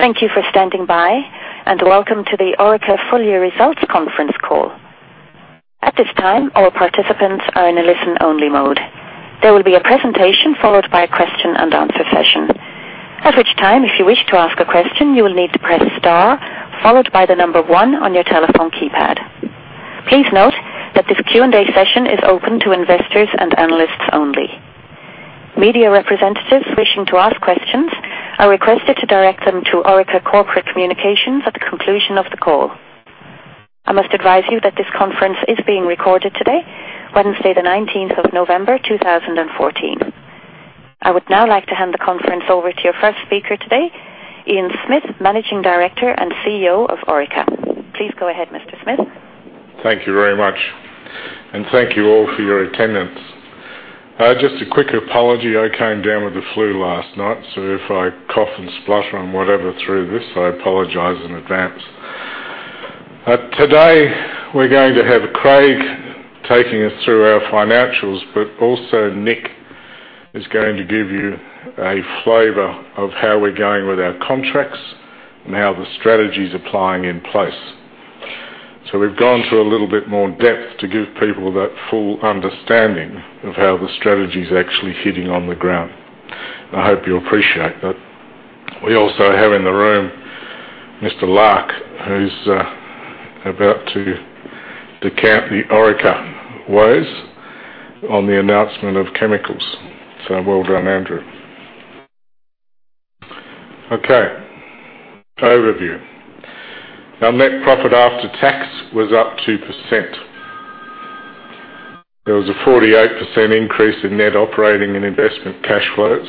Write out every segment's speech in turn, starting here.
Thank you for standing by, welcome to the Orica Full Year Results conference call. At this time, all participants are in a listen-only mode. There will be a presentation followed by a question and answer session. At which time, if you wish to ask a question, you will need to press Star followed by the number 1 on your telephone keypad. Please note that this Q&A session is open to investors and analysts only. Media representatives wishing to ask questions are requested to direct them to Orica Corporate Communications at the conclusion of the call. I must advise you that this conference is being recorded today, Wednesday the 19th of November, 2014. I would now like to hand the conference over to your first speaker today, Ian Smith, Managing Director and CEO of Orica. Please go ahead, Mr. Smith. Thank you very much. Thank you all for your attendance. Just a quick apology, I came down with the flu last night, if I cough and splutter and whatever through this, I apologize in advance. Today, we're going to have Craig taking us through our financials, but also Nick is going to give you a flavor of how we're going with our contracts and how the strategy is applying in place. We've gone through a little bit more depth to give people that full understanding of how the strategy is actually hitting on the ground. I hope you appreciate that. We also have in the room Mr. Larke, who's about to decant the Orica ways on the announcement of chemicals. Well done, Andrew. Overview. Our net profit after tax was up 2%. There was a 48% increase in net operating and investment cash flows.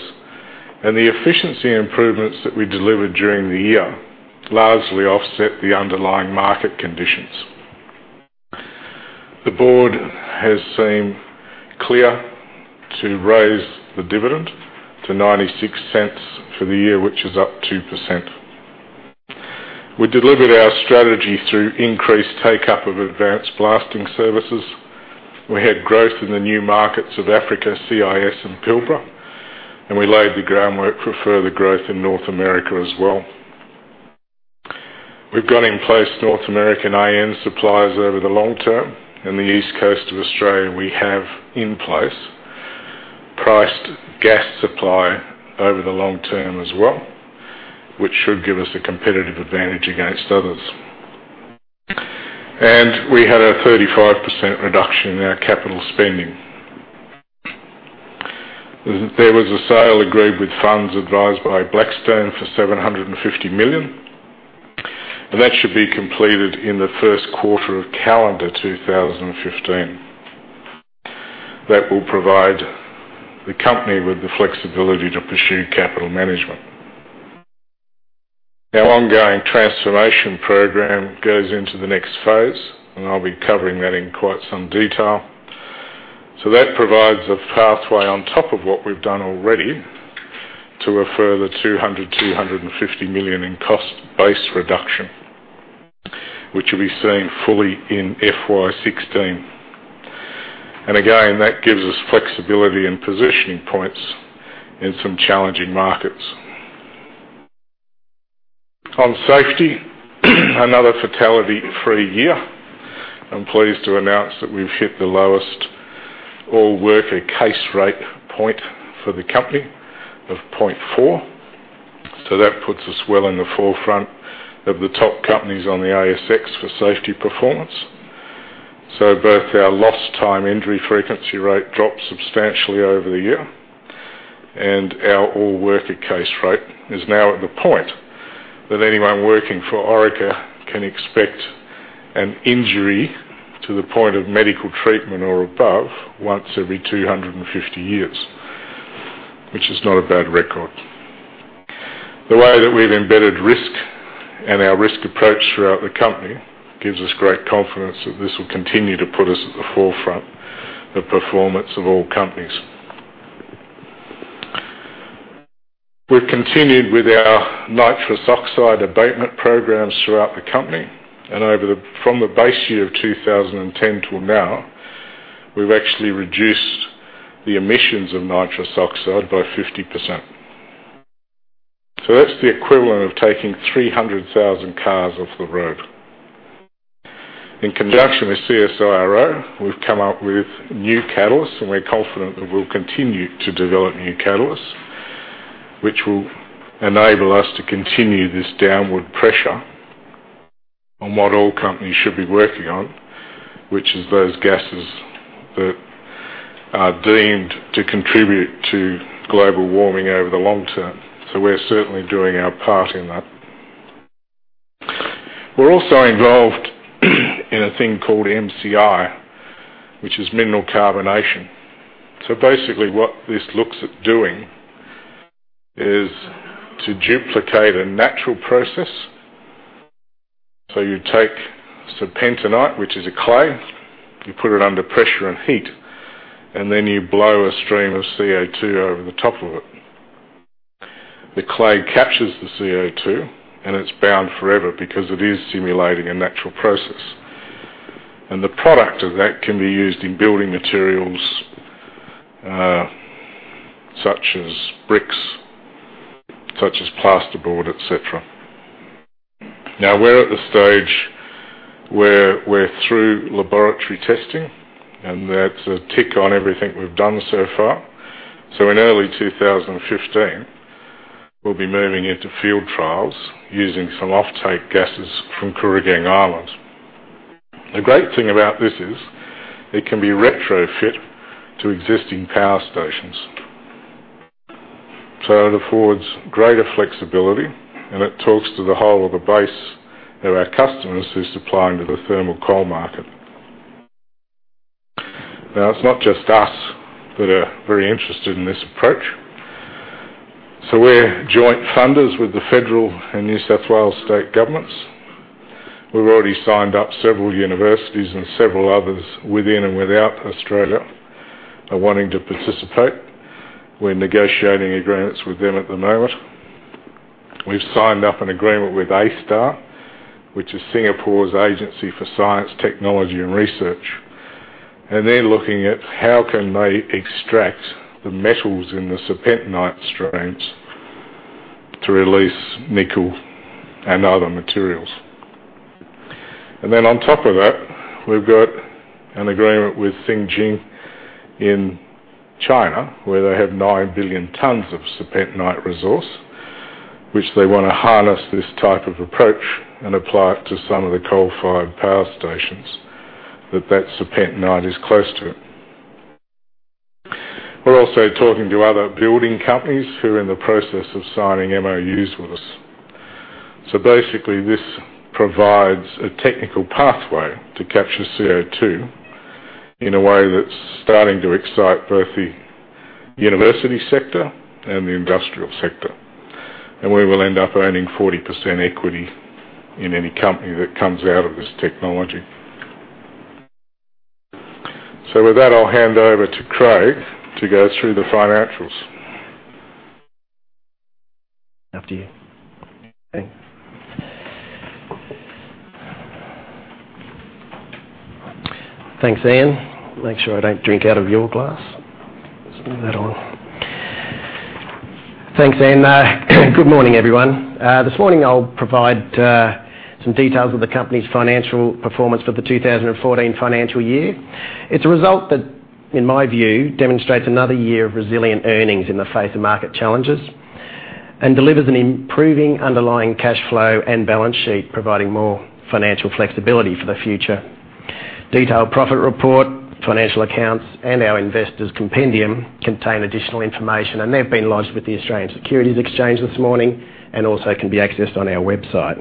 The efficiency improvements that we delivered during the year largely offset the underlying market conditions. The board has seen clear to raise the dividend to 0.96 for the year, which is up 2%. We delivered our strategy through increased take-up of advanced blasting services. We had growth in the new markets of Africa, CIS and Pilbara, and we laid the groundwork for further growth in North America as well. We've got in place North American iron suppliers over the long term. In the East Coast of Australia, we have in place priced gas supply over the long term as well, which should give us a competitive advantage against others. We had a 35% reduction in our capital spending. There was a sale agreed with funds advised by Blackstone for 750 million, and that should be completed in the first quarter of calendar 2015. That will provide the company with the flexibility to pursue capital management. Our ongoing transformation program goes into the next phase, I'll be covering that in quite some detail. That provides a pathway on top of what we've done already to a further 200 million-250 million in cost base reduction, which will be seen fully in FY 2016. Again, that gives us flexibility and positioning points in some challenging markets. On safety, another fatality-free year. I'm pleased to announce that we've hit the lowest all worker case rate point for the company of 0.4. That puts us well in the forefront of the top companies on the ASX for safety performance. Both our lost time injury frequency rate dropped substantially over the year, and our all worker case rate is now at the point that anyone working for Orica can expect an injury to the point of medical treatment or above once every 250 years, which is not a bad record. The way that we've embedded risk and our risk approach throughout the company gives us great confidence that this will continue to put us at the forefront of performance of all companies. We've continued with our nitrous oxide abatement programs throughout the company. From the base year of 2010 till now, we've actually reduced the emissions of nitrous oxide by 50%. That's the equivalent of taking 300,000 cars off the road. In conjunction with CSIRO, we've come up with new catalysts, and we're confident that we'll continue to develop new catalysts, which will enable us to continue this downward pressure on what all companies should be working on, which is those gases that are deemed to contribute to global warming over the long term. We're certainly doing our part in that. We're also involved in a thing called MCi, which is mineral carbonation. Basically what this looks at doing is to duplicate a natural process. You take some bentonite, which is a clay, you put it under pressure and heat, and then you blow a stream of CO2 over the top of it. The clay captures the CO2, and it's bound forever because it is simulating a natural process. And the product of that can be used in building materials such as bricks, such as plasterboard, et cetera. We're at the stage where we're through laboratory testing, and that's a tick on everything we've done so far. In early 2015, we'll be moving into field trials using some offtake gases from Kooragang Island. The great thing about this is it can be retrofit to existing power stations. It affords greater flexibility, and it talks to the whole of the base of our customers who are supplying to the thermal coal market. It's not just us that are very interested in this approach. We're joint funders with the federal and New South Wales state governments. We've already signed up several universities and several others within and without Australia are wanting to participate. We're negotiating agreements with them at the moment. We've signed up an agreement with A*STAR, which is Singapore's Agency for Science, Technology and Research. And they're looking at how can they extract the metals in the serpentinite streams to release nickel and other materials. Then on top of that, we've got an agreement with Xinjiang in China, where they have 9 billion tons of serpentinite resource, which they want to harness this type of approach and apply it to some of the coal-fired power stations that that serpentinite is close to. We're also talking to other building companies who are in the process of signing MOUs with us. Basically, this provides a technical pathway to capture CO2 in a way that's starting to excite both the university sector and the industrial sector. And we will end up owning 40% equity in any company that comes out of this technology. With that, I'll hand over to Craig to go through the financials. After you. Thanks, Ian. Make sure I don't drink out of your glass. Let's move that along. Thanks, Ian. Good morning, everyone. This morning I'll provide some details of the company's financial performance for the 2014 financial year. It's a result that, in my view, demonstrates another year of resilient earnings in the face of market challenges and delivers an improving underlying cash flow and balance sheet, providing more financial flexibility for the future. Detailed profit report, financial accounts, and our Investor Compendium contain additional information, and they've been lodged with the Australian Securities Exchange this morning and also can be accessed on our website.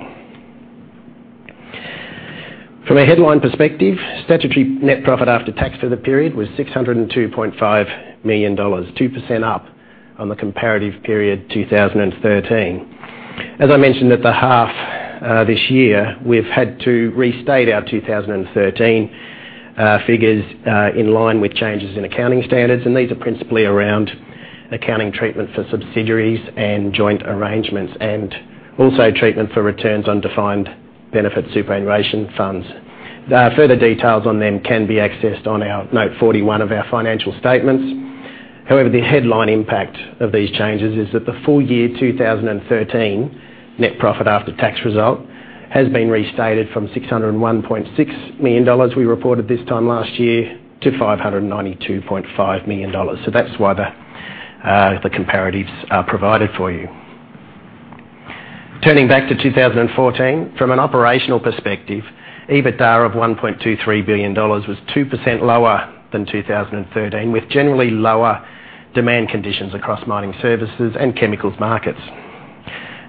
From a headline perspective, statutory net profit after tax for the period was 602.5 million dollars, 2% up on the comparative period 2013. As I mentioned at the half this year, we've had to restate our 2013 figures in line with changes in accounting standards, and these are principally around accounting treatment for subsidiaries and joint arrangements and also treatment for returns on defined benefit superannuation funds. Further details on them can be accessed on our note 41 of our financial statements. However, the headline impact of these changes is that the full year 2013 net profit after tax result has been restated from 601.6 million dollars we reported this time last year to 592.5 million dollars. That's why the comparatives are provided for you. Turning back to 2014, from an operational perspective, EBITDA of 1.23 billion dollars was 2% lower than 2013, with generally lower demand conditions across mining services and chemicals markets.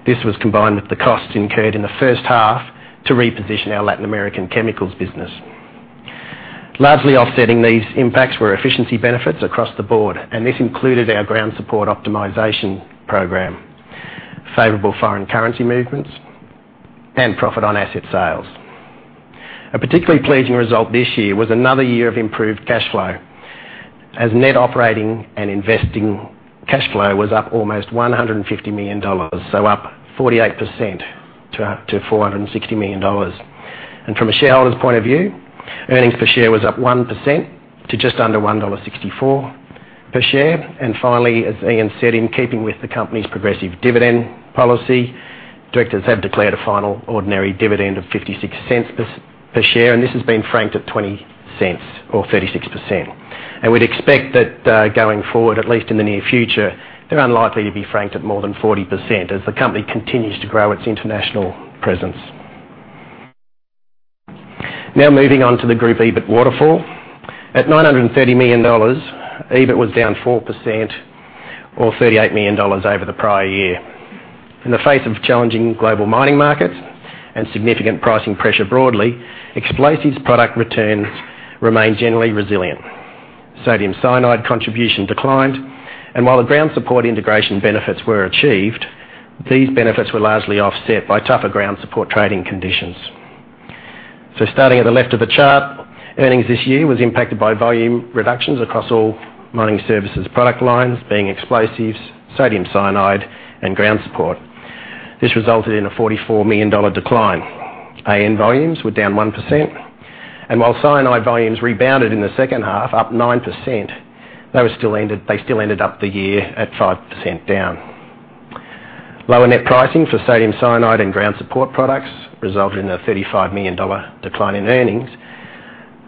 This was combined with the costs incurred in the first half to reposition our Latin American chemicals business. Largely offsetting these impacts were efficiency benefits across the board, and this included our ground support optimization program, favorable foreign currency movements, and profit on asset sales. A particularly pleasing result this year was another year of improved cash flow, as net operating and investing cash flow was up almost 150 million dollars, so up 48% to 460 million dollars. From a shareholder's point of view, earnings per share was up 1% to just under 1.64 dollar per share. Finally, as Ian said, in keeping with the company's progressive dividend policy, directors have declared a final ordinary dividend of 0.56 per share, and this has been franked at 0.20 or 36%. We'd expect that going forward, at least in the near future, they're unlikely to be franked at more than 40% as the company continues to grow its international presence. Now moving on to the group EBIT waterfall. At 930 million dollars, EBIT was down 4% or 38 million dollars over the prior year. In the face of challenging global mining markets and significant pricing pressure broadly, explosives product returns remained generally resilient. Sodium cyanide contribution declined, and while the ground support integration benefits were achieved, these benefits were largely offset by tougher ground support trading conditions. Starting at the left of the chart, earnings this year was impacted by volume reductions across all mining services product lines being explosives, sodium cyanide and ground support. This resulted in an 44 million dollar decline. AN volumes were down 1%, and while cyanide volumes rebounded in the second half, up 9%, they still ended up the year at 5% down. Lower net pricing for sodium cyanide and ground support products resulted in an 35 million dollar decline in earnings.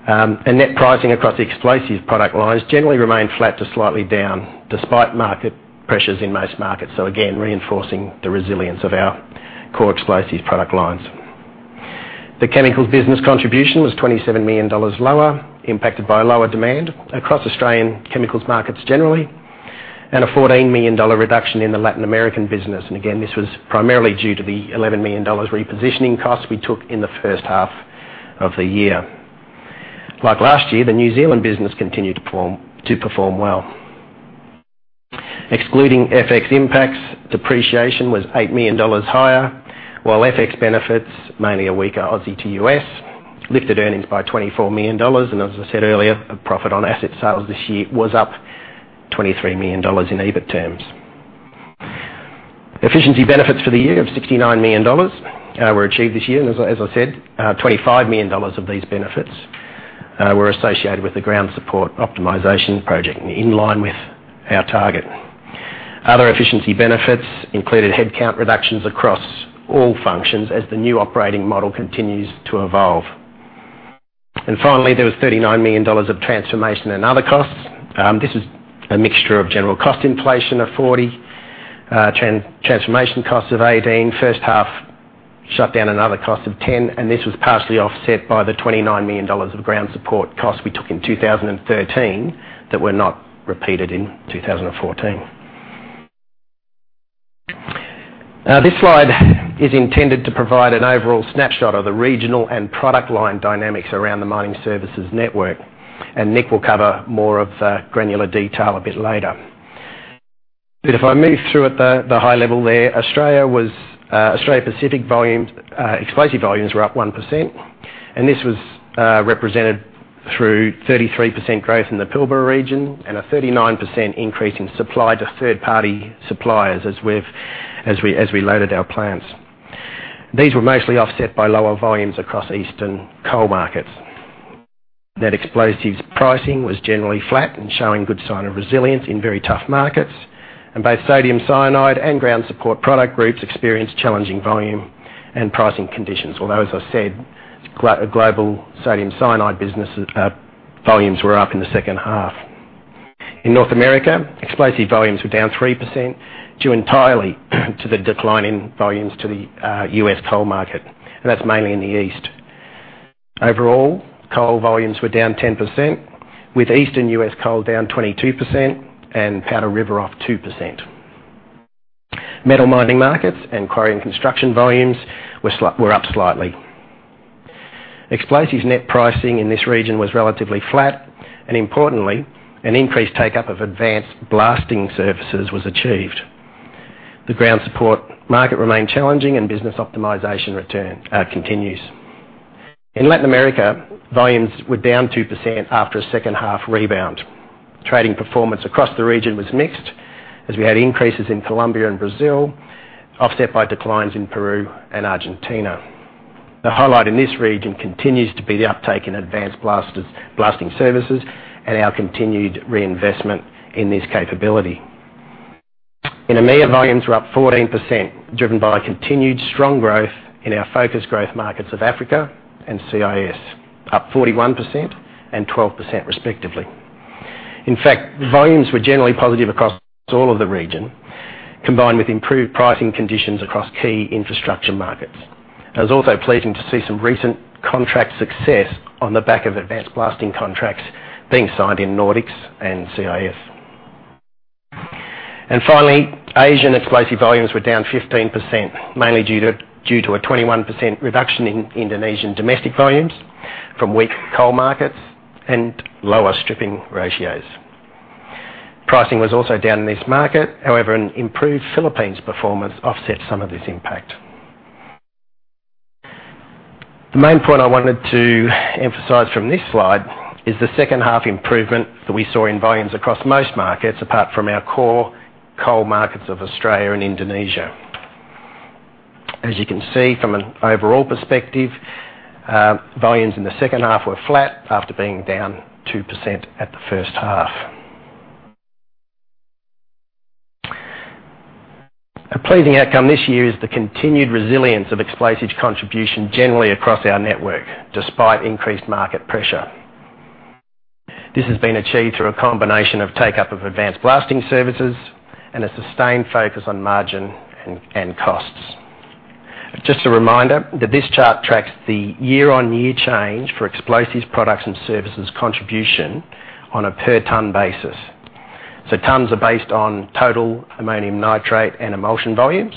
Net pricing across the explosives product lines generally remained flat to slightly down, despite market pressures in most markets. Again, reinforcing the resilience of our core explosives product lines. The chemicals business contribution was 27 million dollars lower, impacted by lower demand across Australian chemicals markets generally, and an 14 million dollar reduction in the Latin American business. Again, this was primarily due to the 11 million dollars repositioning costs we took in the first half of the year. Like last year, the New Zealand business continued to perform well. Excluding FX impacts, depreciation was 8 million dollars higher, while FX benefits, mainly a weaker AUD to USD, lifted earnings by 24 million dollars. As I said earlier, a profit on asset sales this year was up 23 million dollars in EBIT terms. Efficiency benefits for the year of 69 million dollars were achieved this year. As I said, 25 million dollars of these benefits were associated with the ground support optimization project, in line with our target. Other efficiency benefits included headcount reductions across all functions as the new operating model continues to evolve. Finally, there was 39 million dollars of transformation and other costs. This is a mixture of general cost inflation of 40 million, transformation costs of 18 million, first half shut down and other costs of 10 million, and this was partially offset by the 29 million dollars of ground support costs we took in 2013 that were not repeated in 2014. This slide is intended to provide an overall snapshot of the regional and product line dynamics around the mining services network, and Nick will cover more of the granular detail a bit later. If I move through at the high level there, Australia Pacific explosive volumes were up 1%, and this was represented through 33% growth in the Pilbara region and a 39% increase in supply to third-party suppliers as we loaded our plants. These were mostly offset by lower volumes across eastern coal markets. Net explosives pricing was generally flat and showing good sign of resilience in very tough markets, and both sodium cyanide and ground support product groups experienced challenging volume and pricing conditions. Although, as I said, global sodium cyanide business volumes were up in the second half. In North America, explosive volumes were down 3% due entirely to the decline in volumes to the U.S. coal market, and that's mainly in the East. Overall, coal volumes were down 10%, with Eastern U.S. coal down 22% and Powder River off 2%. Metal mining markets and quarry and construction volumes were up slightly. Importantly, an increased take-up of advanced blasting services was achieved. The ground support market remained challenging and business optimization return continues. In Latin America, volumes were down 2% after a second half rebound. Trading performance across the region was mixed, as we had increases in Colombia and Brazil, offset by declines in Peru and Argentina. The highlight in this region continues to be the uptake in advanced blasting services and our continued reinvestment in this capability. In EMEA, volumes were up 14%, driven by continued strong growth in our focused growth markets of Africa and CIS, up 41% and 12% respectively. In fact, volumes were generally positive across all of the region, combined with improved pricing conditions across key infrastructure markets. It was also pleasing to see some recent contract success on the back of advanced blasting contracts being signed in Nordics and CIS. Finally, Asian explosive volumes were down 15%, mainly due to a 21% reduction in Indonesian domestic volumes from weak coal markets and lower stripping ratios. Pricing was also down in this market. However, an improved Philippines performance offset some of this impact. The main point I wanted to emphasize from this slide is the second half improvement that we saw in volumes across most markets, apart from our core coal markets of Australia and Indonesia. As you can see from an overall perspective, volumes in the second half were flat after being down 2% at the first half. A pleasing outcome this year is the continued resilience of explosives contribution generally across our network, despite increased market pressure. This has been achieved through a combination of take-up of advanced blasting services and a sustained focus on margin and costs. Just a reminder that this chart tracks the year-on-year change for explosives products and services contribution on a per ton basis. Tons are based on total ammonium nitrate and emulsion volumes,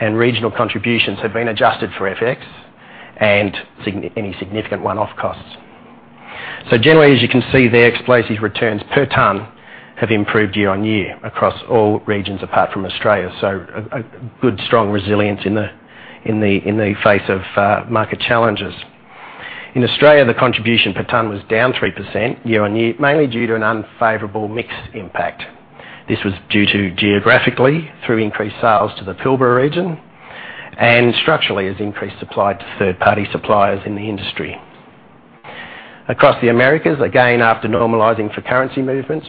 and regional contributions have been adjusted for FX and any significant one-off costs. Generally, as you can see there, explosives returns per ton have improved year on year across all regions apart from Australia. A good, strong resilience in the face of market challenges. In Australia, the contribution per tonne was down 3% year on year, mainly due to an unfavorable mix impact. This was due to geographically, through increased sales to the Pilbara region, and structurally, as increased supply to third-party suppliers in the industry. Across the Americas, again, after normalizing for currency movements,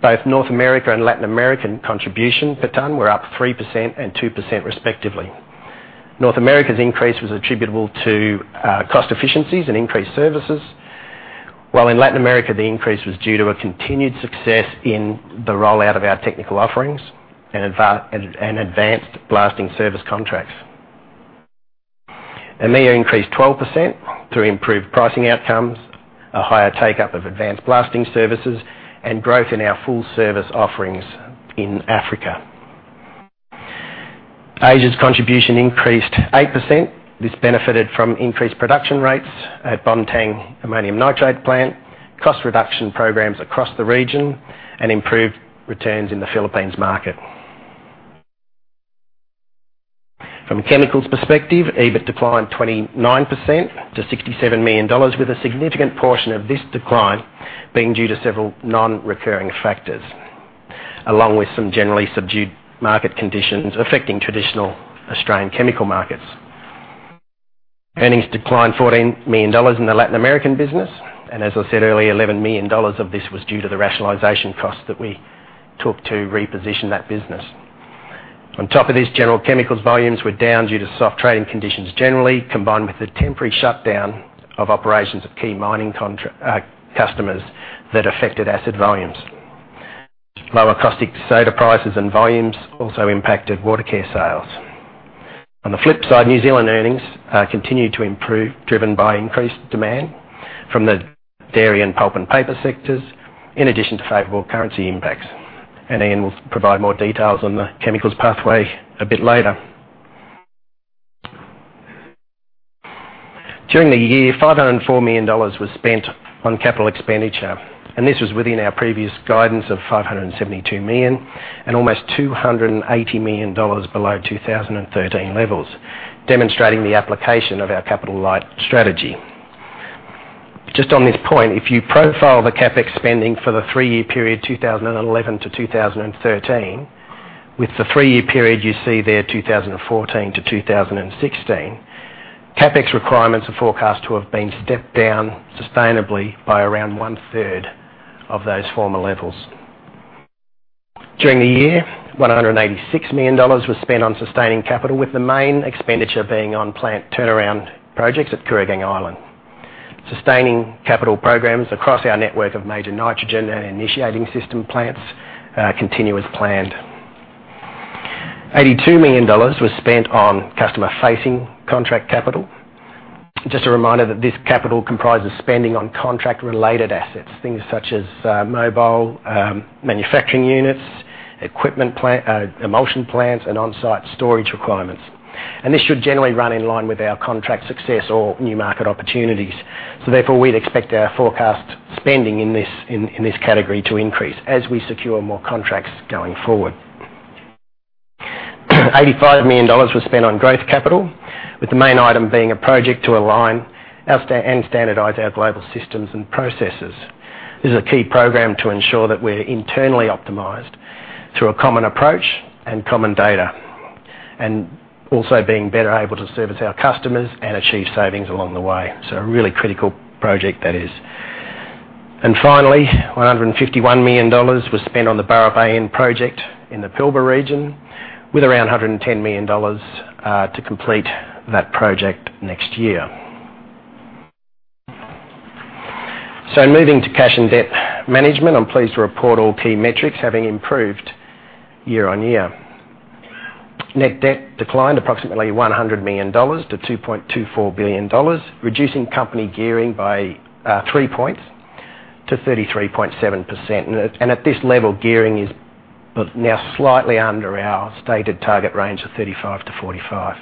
both North America and Latin American contribution per tonne were up 3% and 2% respectively. North America's increase was attributable to cost efficiencies and increased services, while in Latin America, the increase was due to a continued success in the rollout of our technical offerings and advanced blasting service contracts. EMEA increased 12% through improved pricing outcomes, a higher take-up of advanced blasting services, and growth in our full-service offerings in Africa. Asia's contribution increased 8%. This benefited from increased production rates at Bontang Ammonium Nitrate Plant, cost reduction programs across the region, and improved returns in the Philippines market. From a chemicals perspective, EBIT declined 29% to 67 million dollars, with a significant portion of this decline being due to several non-recurring factors, along with some generally subdued market conditions affecting traditional Australian chemical markets. Earnings declined 14 million dollars in the Latin American business. As I said earlier, 11 million dollars of this was due to the rationalization costs that we took to reposition that business. On top of this, general chemicals volumes were down due to soft trading conditions, generally combined with the temporary shutdown of operations of key mining customers that affected acid volumes. Lower caustic soda prices and volumes also impacted Watercare sales. On the flip side, New Zealand earnings continued to improve, driven by increased demand from the dairy and pulp and paper sectors, in addition to favorable currency impacts. Ian will provide more details on the chemicals pathway a bit later. During the year, 504 million dollars was spent on capital expenditure. This was within our previous guidance of 572 million and almost 280 million dollars below 2013 levels, demonstrating the application of our capital-light strategy. Just on this point, if you profile the CapEx spending for the three-year period 2011 to 2013, with the three-year period you see there, 2014 to 2016, CapEx requirements are forecast to have been stepped down sustainably by around one-third of those former levels. During the year, 186 million dollars was spent on sustaining capital, with the main expenditure being on plant turnaround projects at Kooragang Island. Sustaining capital programs across our network of major nitrogen and initiating system plants continue as planned. 82 million dollars was spent on customer-facing contract capital. Just a reminder that this capital comprises spending on contract-related assets, things such as Mobile Manufacturing Units, emulsion plants, and on-site storage requirements. This should generally run in line with our contract success or new market opportunities. Therefore, we'd expect our forecast spending in this category to increase as we secure more contracts going forward. 85 million dollars was spent on growth capital, with the main item being a project to align and standardize our global systems and processes. This is a key program to ensure that we're internally optimized through a common approach and common data, also being better able to service our customers and achieve savings along the way. A really critical project that is. Finally, AUD 151 million was spent on the Burrup AN project in the Pilbara region, with around AUD 110 million to complete that project next year. Moving to cash and debt management, I'm pleased to report all key metrics having improved year-on-year. Net debt declined approximately 100 million dollars to 2.24 billion dollars, reducing company gearing by 3 points to 33.7%. At this level, gearing is now slightly under our stated target range of 35%-45%.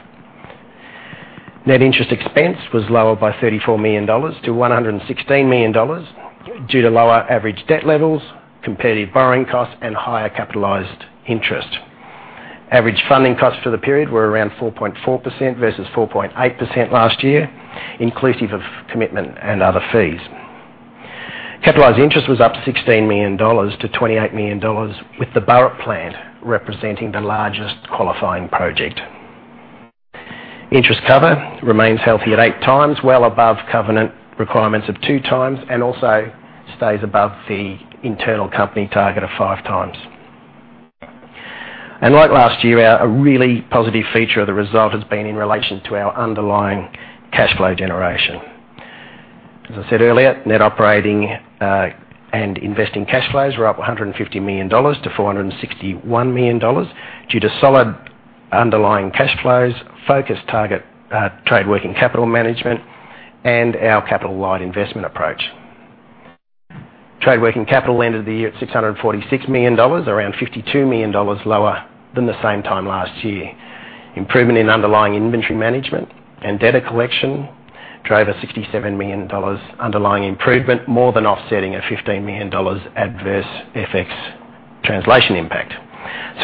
Net interest expense was lowered by AUD 34 million to AUD 116 million due to lower average debt levels, competitive borrowing costs, and higher capitalized interest. Average funding costs for the period were around 4.4% versus 4.8% last year, inclusive of commitment and other fees. Capitalized interest was up AUD 16 million to AUD 28 million, with the Burrup plant representing the largest qualifying project. Interest cover remains healthy at 8 times, well above covenant requirements of 2 times, and also stays above the internal company target of 5 times. Like last year, a really positive feature of the result has been in relation to our underlying cash flow generation. As I said earlier, net operating and investing cash flows were up 150 million dollars to 461 million dollars due to solid underlying cash flows, focused target trade working capital management, and our capital-light investment approach. Trade working capital ended the year at 646 million dollars, around 52 million dollars lower than the same time last year. Improvement in underlying inventory management and debtor collection drove an 67 million dollars underlying improvement, more than offsetting an 15 million dollars adverse FX translation impact.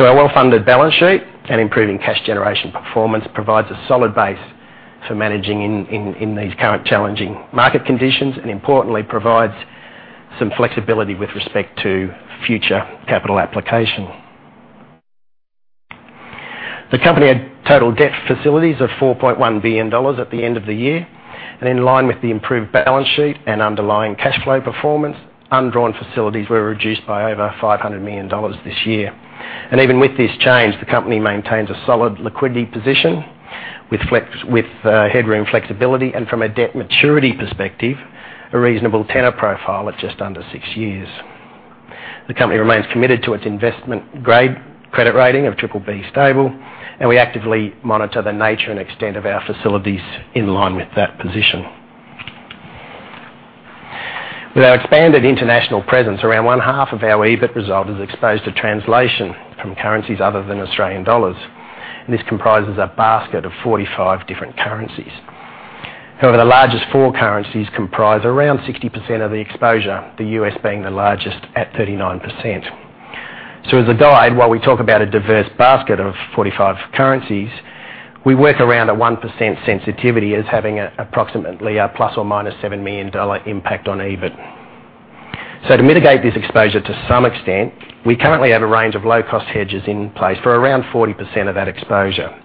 Our well-funded balance sheet and improving cash generation performance provides a solid base for managing in these current challenging market conditions, and importantly, provides some flexibility with respect to future capital application. The company had total debt facilities of 4.1 billion dollars at the end of the year. In line with the improved balance sheet and underlying cash flow performance, undrawn facilities were reduced by over 500 million dollars this year. Even with this change, the company maintains a solid liquidity position with headroom flexibility, and from a debt maturity perspective, a reasonable tenor profile at just under six years. The company remains committed to its investment-grade credit rating of BBB stable, and we actively monitor the nature and extent of our facilities in line with that position. With our expanded international presence, around one-half of our EBIT result is exposed to translation from currencies other than Australian dollars, and this comprises a basket of 45 different currencies. However, the largest four currencies comprise around 60% of the exposure, the U.S. being the largest at 39%. As a guide, while we talk about a diverse basket of 45 currencies, we work around a 1% sensitivity as having approximately a ±$7 million impact on EBIT. To mitigate this exposure to some extent, we currently have a range of low-cost hedges in place for around 40% of that exposure.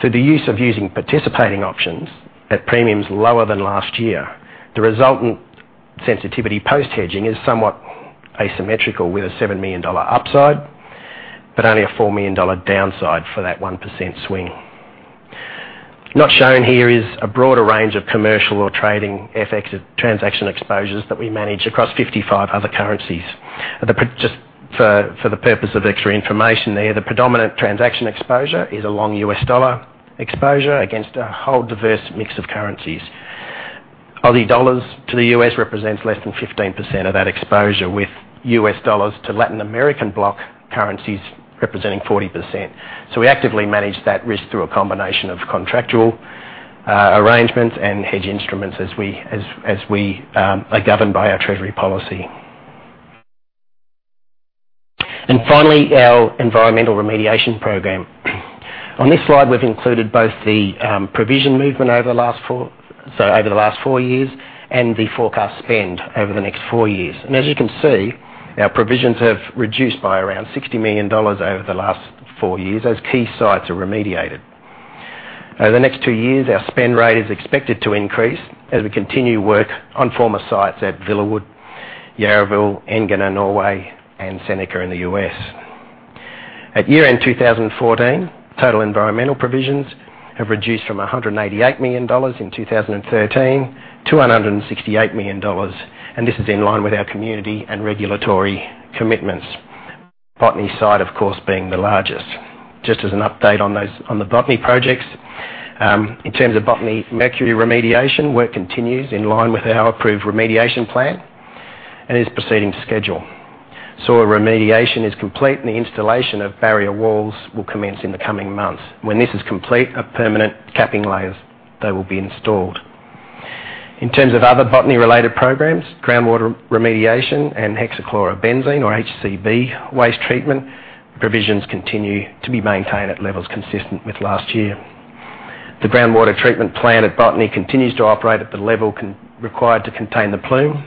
Through the use of participating options at premiums lower than last year, the resultant sensitivity post-hedging is somewhat asymmetrical, with a $7 million upside, but only a $4 million downside for that 1% swing. Not shown here is a broader range of commercial or trading FX transaction exposures that we manage across 55 other currencies. Just for the purpose of extra information there, the predominant transaction exposure is a long US dollar exposure against a whole diverse mix of currencies. Australian dollars to the U.S. represents less than 15% of that exposure, with US dollars to Latin American block currencies representing 40%. We actively manage that risk through a combination of contractual arrangements and hedge instruments as we are governed by our treasury policy. Finally, our environmental remediation program. On this slide, we've included both the provision movement over the last four years and the forecast spend over the next four years. As you can see, our provisions have reduced by around 60 million dollars over the last four years as key sites are remediated. Over the next two years, our spend rate is expected to increase as we continue work on former sites at Villawood, Yarraville, Engene in Norway, and Seneca in the U.S. At year-end 2014, total environmental provisions have reduced from 188 million dollars in 2013 to 168 million dollars, and this is in line with our community and regulatory commitments. Botany site, of course, being the largest. Just as an update on the Botany projects, in terms of Botany mercury remediation, work continues in line with our approved remediation plan and is proceeding to schedule. Soil remediation is complete, and the installation of barrier walls will commence in the coming months. When this is complete, permanent capping layers, they will be installed. In terms of other Botany-related programs, groundwater remediation and hexachlorobenzene, or HCB, waste treatment provisions continue to be maintained at levels consistent with last year. The groundwater treatment plant at Botany continues to operate at the level required to contain the plume.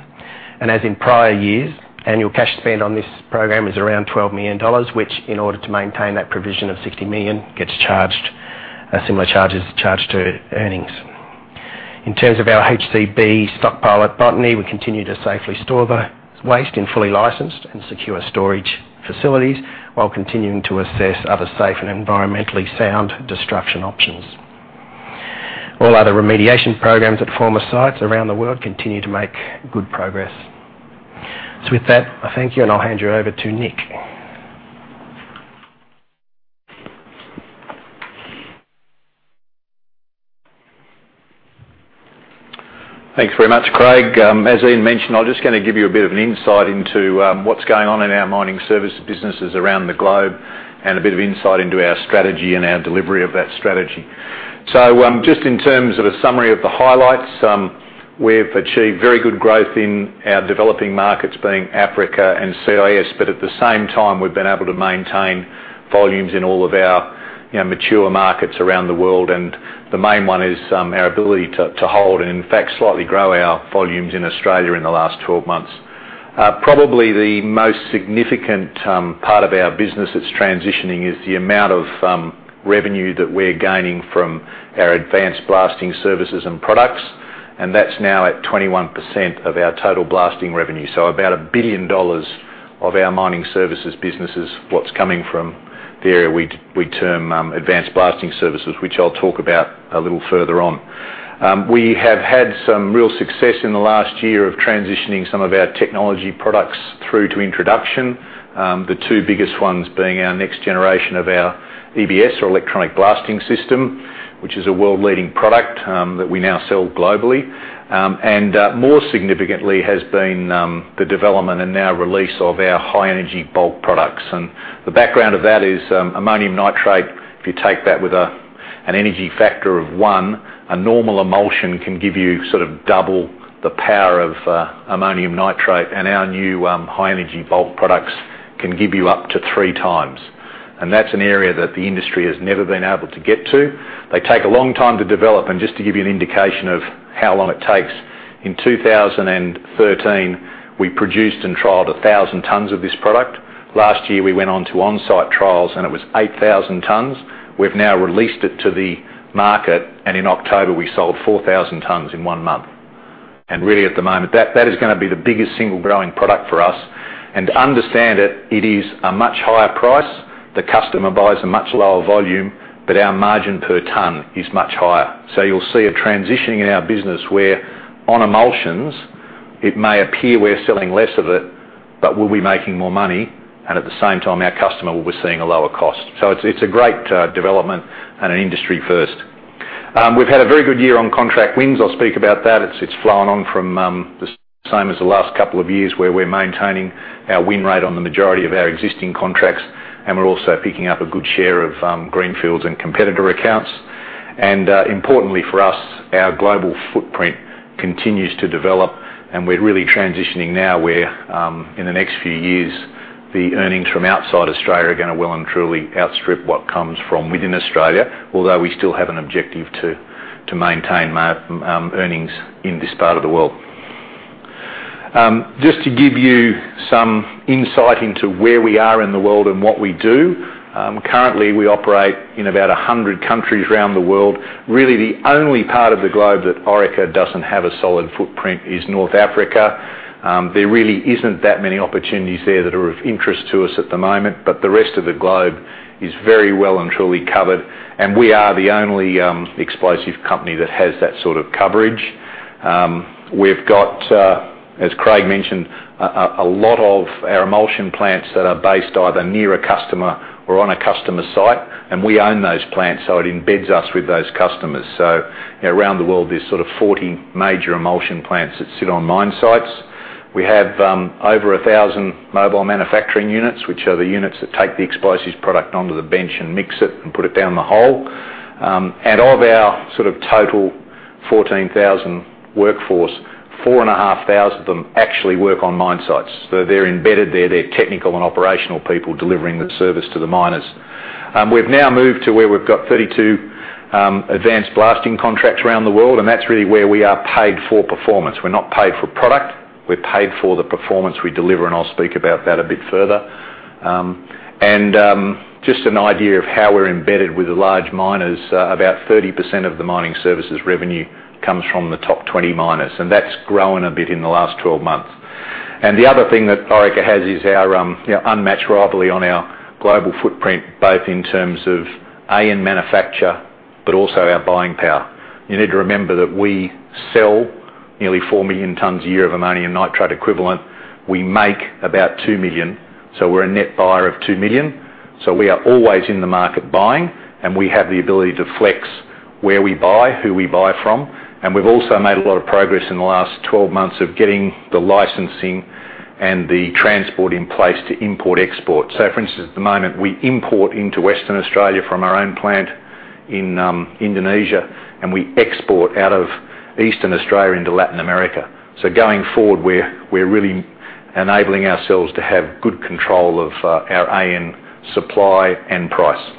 As in prior years, annual cash spend on this program is around 12 million dollars, which, in order to maintain that provision of 60 million, similar charges are charged to earnings. In terms of our HCB stockpile at Botany, we continue to safely store the waste in fully licensed and secure storage facilities while continuing to assess other safe and environmentally sound destruction options. All other remediation programs at former sites around the world continue to make good progress. With that, I thank you, and I'll hand you over to Nick. Thanks very much, Craig. As Ian mentioned, I'm just going to give you a bit of an insight into what's going on in our mining services businesses around the globe and a bit of insight into our strategy and our delivery of that strategy. In terms of a summary of the highlights, we've achieved very good growth in our developing markets, being Africa and CIS, but at the same time, we've been able to maintain volumes in all of our mature markets around the world. The main one is our ability to hold, and in fact, slightly grow our volumes in Australia in the last 12 months. Probably the most significant part of our business that's transitioning is the amount of revenue that we're gaining from our advanced blasting services and products, and that's now at 21% of our total blasting revenue. About 1 billion dollars of our mining services business is what's coming from the area we term advanced blasting services, which I'll talk about a little further on. We have had some real success in the last year of transitioning some of our technology products through to introduction. The two biggest ones being our next generation of our EBS, or Electronic Blasting System, which is a world-leading product that we now sell globally. More significantly has been the development and now release of our high-energy bulk products. The background of that is ammonium nitrate, if you take that with an energy factor of one. A normal emulsion can give you sort of double the power of ammonium nitrate, and our new high-energy bulk products can give you up to three times. That's an area that the industry has never been able to get to. They take a long time to develop. Just to give you an indication of how long it takes, in 2013, we produced and trialed 1,000 tons of this product. Last year, we went on to onsite trials. It was 8,000 tons. We've now released it to the market. In October, we sold 4,000 tons in one month. Really at the moment, that is going to be the biggest single growing product for us. Understand that it is a much higher price. The customer buys a much lower volume, but our margin per ton is much higher. You'll see a transitioning in our business where on emulsions, it may appear we're selling less of it, but we'll be making more money. At the same time, our customer will be seeing a lower cost. It's a great development and an industry first. We've had a very good year on contract wins. I'll speak about that. It's flown on from the same as the last couple of years, where we're maintaining our win rate on the majority of our existing contracts. We're also picking up a good share of greenfields and competitor accounts. Importantly for us, our global footprint continues to develop. We're really transitioning now where, in the next few years, the earnings from outside Australia are going to well and truly outstrip what comes from within Australia. Although, we still have an objective to maintain earnings in this part of the world. Just to give you some insight into where we are in the world and what we do. Currently, we operate in about 100 countries around the world. Really, the only part of the globe that Orica doesn't have a solid footprint is North Africa. There really isn't that many opportunities there that are of interest to us at the moment, but the rest of the globe is very well and truly covered. We are the only explosives company that has that sort of coverage. We've got, as Craig mentioned, a lot of our emulsion plants that are based either near a customer or on a customer site. We own those plants, so it embeds us with those customers. Around the world, there's sort of 40 major emulsion plants that sit on mine sites. We have over 1,000 Mobile Manufacturing Units, which are the units that take the explosives product onto the bench, mix it and put it down the hole. Of our sort of total 14,000 workforce, 4,500 of them actually work on mine sites. They're embedded there. They're technical and operational people delivering the service to the miners. We've now moved to where we've got 32 advanced blasting contracts around the world. That's really where we are paid for performance. We're not paid for product. We're paid for the performance we deliver. I'll speak about that a bit further. Just an idea of how we're embedded with the large miners. About 30% of the mining services revenue comes from the top 20 miners. That's grown a bit in the last 12 months. The other thing that Orica has is our unmatched rivalry on our global footprint, both in terms of AN manufacture, but also our buying power. You need to remember that we sell nearly 4 million tons a year of ammonium nitrate equivalent. We make about 2 million. We're a net buyer of 2 million. We are always in the market buying, we have the ability to flex where we buy, who we buy from. We've also made a lot of progress in the last 12 months of getting the licensing and the transport in place to import export. For instance, at the moment, we import into Western Australia from our own plant in Indonesia, we export out of Eastern Australia into Latin America. Going forward, we're really enabling ourselves to have good control of our AN supply and price.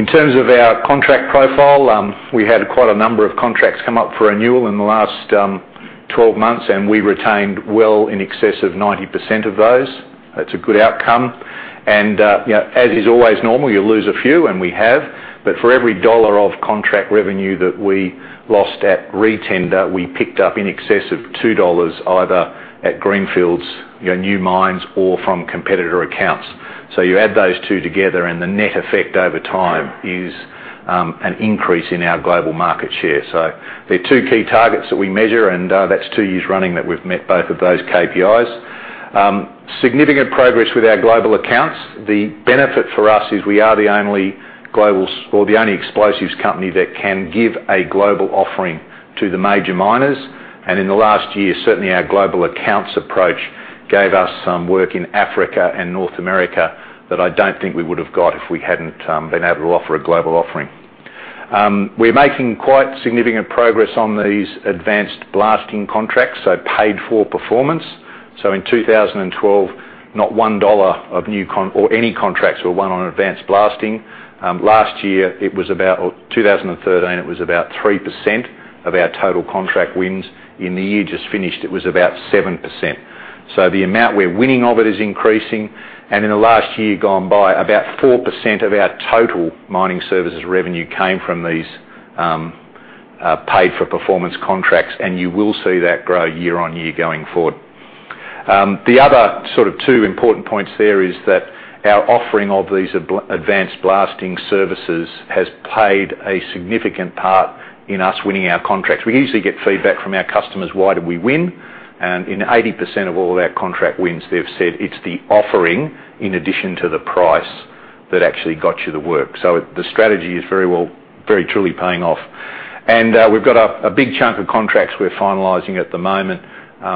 In terms of our contract profile, we had quite a number of contracts come up for renewal in the last 12 months, we retained well in excess of 90% of those. That's a good outcome. As is always normal, you lose a few, and we have. For every dollar of contract revenue that we lost at retender, we picked up in excess of 2 dollars, either at greenfields, new mines or from competitor accounts. You add those two together and the net effect over time is an increase in our global market share. There are two key targets that we measure, and that's two years running that we've met both of those KPIs. Significant progress with our global accounts. The benefit for us is we are the only explosives company that can give a global offering to the major miners. In the last year, certainly our global accounts approach gave us some work in Africa and North America that I don't think we would have got if we hadn't been able to offer a global offering. We're making quite significant progress on these advanced blasting contracts, paid for performance. In 2012, not 1 dollar of any contracts were won on advanced blasting. 2013, it was about 3% of our total contract wins. In the year just finished, it was about 7%. The amount we're winning of it is increasing. In the last year gone by, about 4% of our total mining services revenue came from these paid-for-performance contracts, and you will see that grow year-on-year going forward. The other sort of two important points there is that our offering of these advanced blasting services has played a significant part in us winning our contracts. We usually get feedback from our customers, why did we win? In 80% of all of our contract wins, they've said, "It's the offering in addition to the price that actually got you the work." The strategy is very truly paying off. We've got a big chunk of contracts we're finalizing at the moment,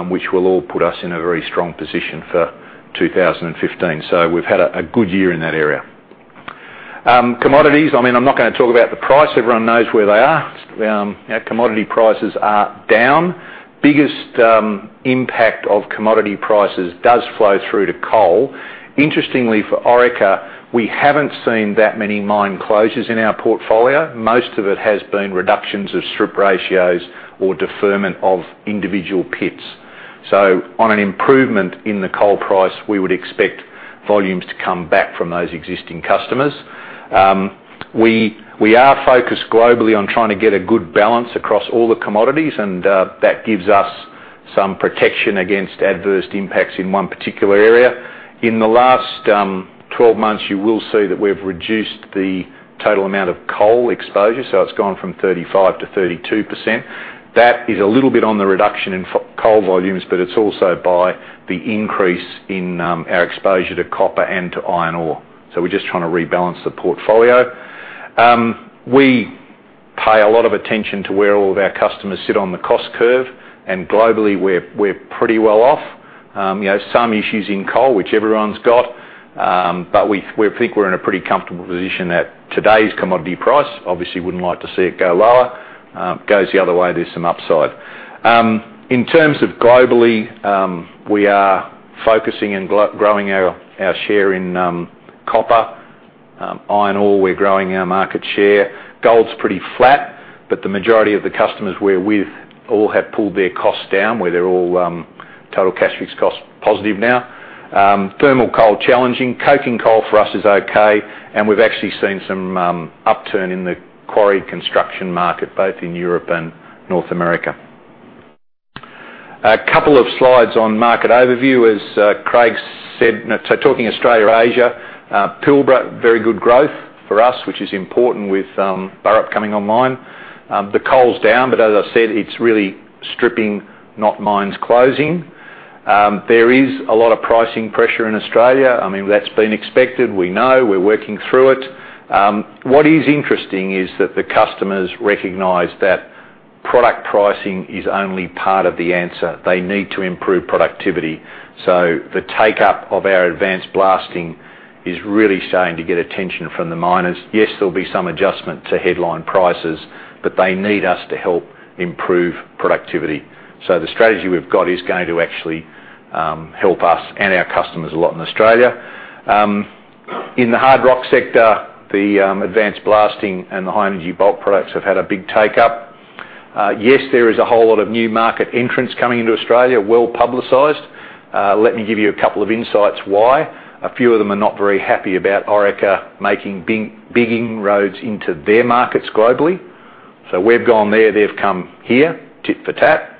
which will all put us in a very strong position for 2015. We've had a good year in that area. Commodities, I'm not going to talk about the price. Everyone knows where they are. Our commodity prices are down. Biggest impact of commodity prices does flow through to coal. Interestingly, for Orica, we haven't seen that many mine closures in our portfolio. Most of it has been reductions of strip ratios or deferment of individual pits. On an improvement in the coal price, we would expect volumes to come back from those existing customers. We are focused globally on trying to get a good balance across all the commodities, that gives us some protection against adverse impacts in one particular area. In the last 12 months, you will see that we've reduced the total amount of coal exposure. It's gone from 35% to 32%. That is a little bit on the reduction in coal volumes, but it's also by the increase in our exposure to copper and to iron ore. We're just trying to rebalance the portfolio. We pay a lot of attention to where all of our customers sit on the cost curve. Globally, we're pretty well off. Some issues in coal, which everyone's got. We think we're in a pretty comfortable position at today's commodity price. Obviously, wouldn't like to see it go lower. Goes the other way, there's some upside. In terms of globally, we are focusing and growing our share in copper. Iron ore, we're growing our market share. Gold's pretty flat. The majority of the customers we're with all have pulled their costs down, where they're all total cash ex-cost positive now. Thermal coal, challenging. Coking coal for us is okay. We've actually seen some upturn in the quarry construction market, both in Europe and North America. A couple of slides on market overview. As Craig said, talking Australia-Asia, Pilbara, very good growth for us, which is important with Burrup coming online. The coal's down. As I said, it's really stripping, not mines closing. There is a lot of pricing pressure in Australia. That's been expected. We know. We're working through it. What is interesting is that the customers recognize that product pricing is only part of the answer. They need to improve productivity. The take-up of our advanced blasting is really starting to get attention from the miners. Yes, there'll be some adjustment to headline prices. They need us to help improve productivity. The strategy we've got is going to actually help us and our customers a lot in Australia. In the hard rock sector, the advanced blasting and the high-energy bulk products have had a big take-up. Yes, there is a whole lot of new market entrants coming into Australia, well-publicized. Let me give you a couple of insights why. A few of them are not very happy about Orica making big inroads into their markets globally. We've gone there, they've come here, tit for tat.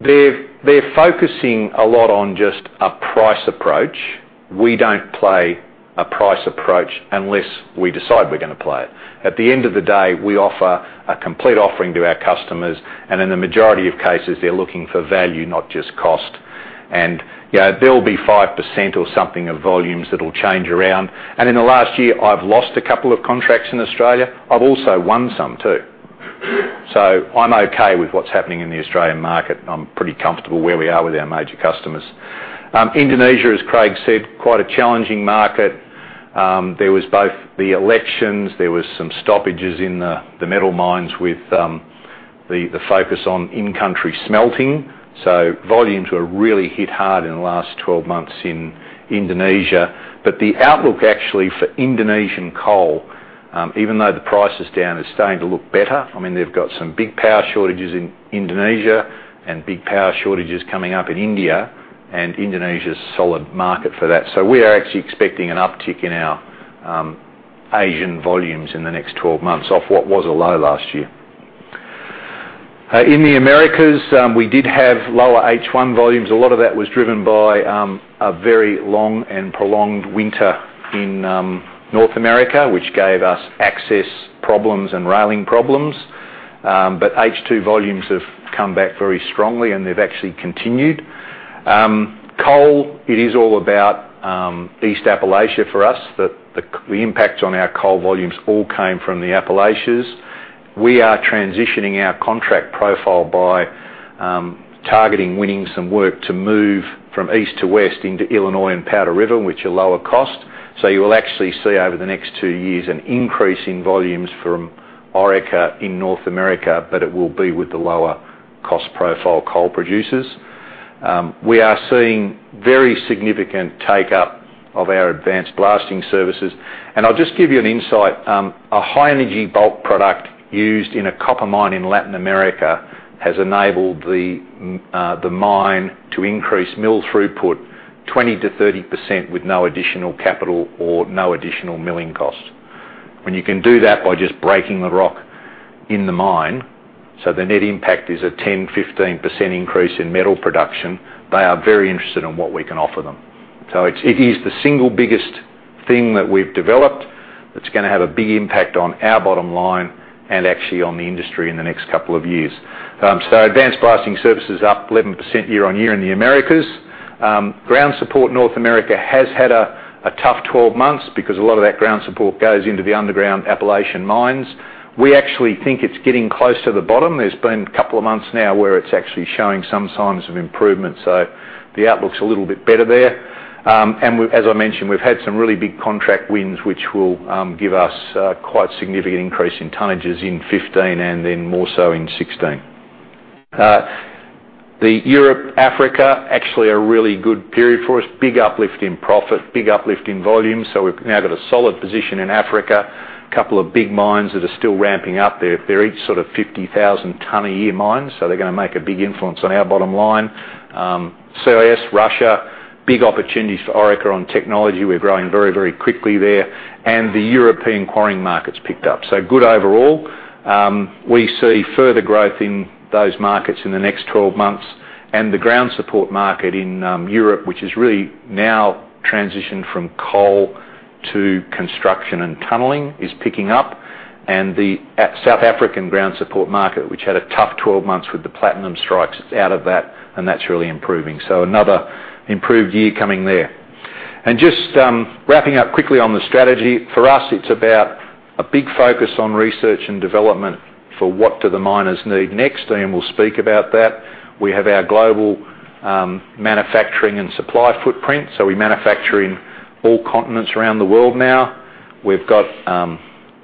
They're focusing a lot on just a price approach. We don't play a price approach unless we decide we're going to play it. At the end of the day, we offer a complete offering to our customers. In the majority of cases, they're looking for value, not just cost. There'll be 5% or something of volumes that'll change around. In the last year, I've lost a couple of contracts in Australia. I've also won some, too. I'm okay with what's happening in the Australian market. I'm pretty comfortable where we are with our major customers. Indonesia, as Craig said, quite a challenging market. There was both the elections. There was some stoppages in the metal mines with the focus on in-country smelting. Volumes were really hit hard in the last 12 months in Indonesia. The outlook actually for Indonesian coal, even though the price is down, is starting to look better. They've got some big power shortages in Indonesia and big power shortages coming up in India, and Indonesia's a solid market for that. We are actually expecting an uptick in our Asian volumes in the next 12 months off what was a low last year. In the Americas, we did have lower H1 volumes. A lot of that was driven by a very long and prolonged winter in North America, which gave us access problems and railing problems. H2 volumes have come back very strongly, and they've actually continued. Coal, it is all about East Appalachia for us. The impact on our coal volumes all came from the Appalachians. We are transitioning our contract profile by targeting winning some work to move from east to west into Illinois and Powder River, which are lower cost. You will actually see over the next two years an increase in volumes from Orica in North America, but it will be with the lower cost profile coal producers. We are seeing very significant take-up of our advanced blasting services. I'll just give you an insight. A high-energy bulk product used in a copper mine in Latin America has enabled the mine to increase mill throughput 20%-30% with no additional capital or no additional milling cost. When you can do that by just breaking the rock in the mine, the net impact is a 10%, 15% increase in metal production, they are very interested in what we can offer them. It is the single biggest thing that we've developed that's going to have a big impact on our bottom line and actually on the industry in the next couple of years. Advanced blasting services are up 11% year-over-year in the Americas. Ground support North America has had a tough 12 months because a lot of that ground support goes into the underground Appalachian mines. We actually think it's getting close to the bottom. There's been a couple of months now where it's actually showing some signs of improvement. The outlook's a little bit better there. As I mentioned, we've had some really big contract wins, which will give us quite significant increase in tonnages in 2015 and then more so in 2016. Europe, Africa, actually a really good period for us. Big uplift in profit, big uplift in volume. We've now got a solid position in Africa. A couple of big mines that are still ramping up there. They're each 50,000 ton a year mines, they're going to make a big influence on our bottom line. CIS, Russia, big opportunities for Orica on technology. We're growing very, very quickly there. The European quarrying market's picked up. Good overall. We see further growth in those markets in the next 12 months. The ground support market in Europe, which has really now transitioned from coal to construction and tunneling, is picking up. The South African ground support market, which had a tough 12 months with the platinum strikes, it's out of that, and that's really improving. Another improved year coming there. Just wrapping up quickly on the strategy. For us, it's about a big focus on research and development for what do the miners need next, Ian will speak about that. We have our global manufacturing and supply footprint, we manufacture in all continents around the world now. We've got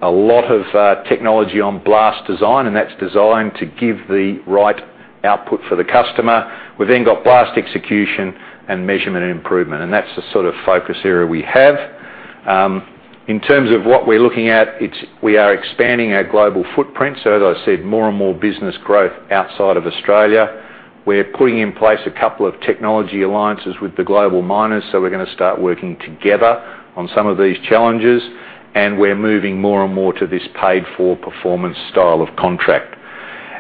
a lot of technology on blast design, that's designed to give the right output for the customer. We've then got blast execution and measurement and improvement, that's the sort of focus area we have. In terms of what we're looking at, we are expanding our global footprint. As I said, more and more business growth outside of Australia. We're putting in place a couple of technology alliances with the global miners, we're going to start working together on some of these challenges. We're moving more and more to this paid-for-performance style of contract.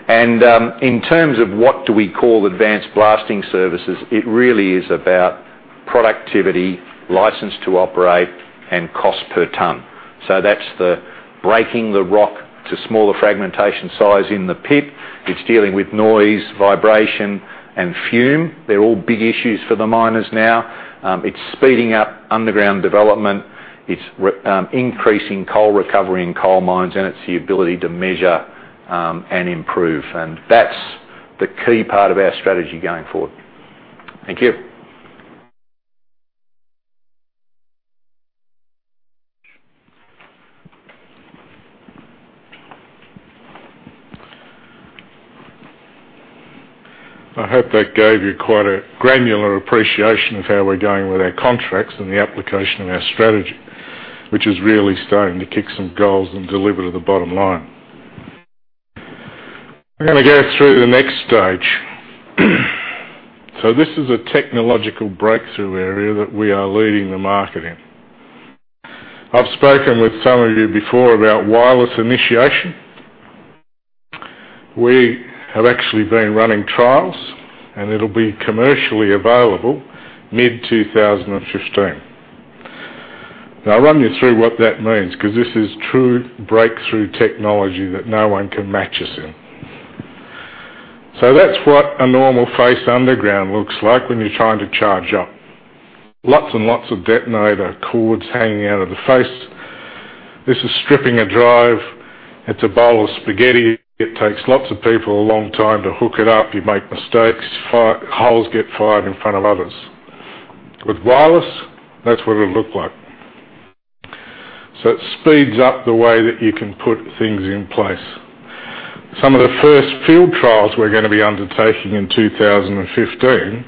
In terms of what do we call advanced blasting services, it really is about productivity, license to operate, and cost per ton. That's the breaking the rock to smaller fragmentation size in the pit. It's dealing with noise, vibration, and fume. They're all big issues for the miners now. It's speeding up underground development. It's increasing coal recovery in coal mines, it's the ability to measure, and improve. That's the key part of our strategy going forward. Thank you. I hope that gave you quite a granular appreciation of how we're going with our contracts and the application of our strategy, which is really starting to kick some goals and deliver to the bottom line. I'm gonna go through the next stage. This is a technological breakthrough area that we are leading the market in. I've spoken with some of you before about wireless initiation. We have actually been running trials, it'll be commercially available mid 2015. Now I'll run you through what that means because this is true breakthrough technology that no one can match us in. That's what a normal face underground looks like when you're trying to charge up. Lots and lots of detonator cords hanging out of the face. This is stripping a drive. It's a bowl of spaghetti. It takes lots of people a long time to hook it up. You make mistakes. Holes get fired in front of others. With wireless, that's what it'll look like. It speeds up the way that you can put things in place. Some of the first field trials we're gonna be undertaking in 2015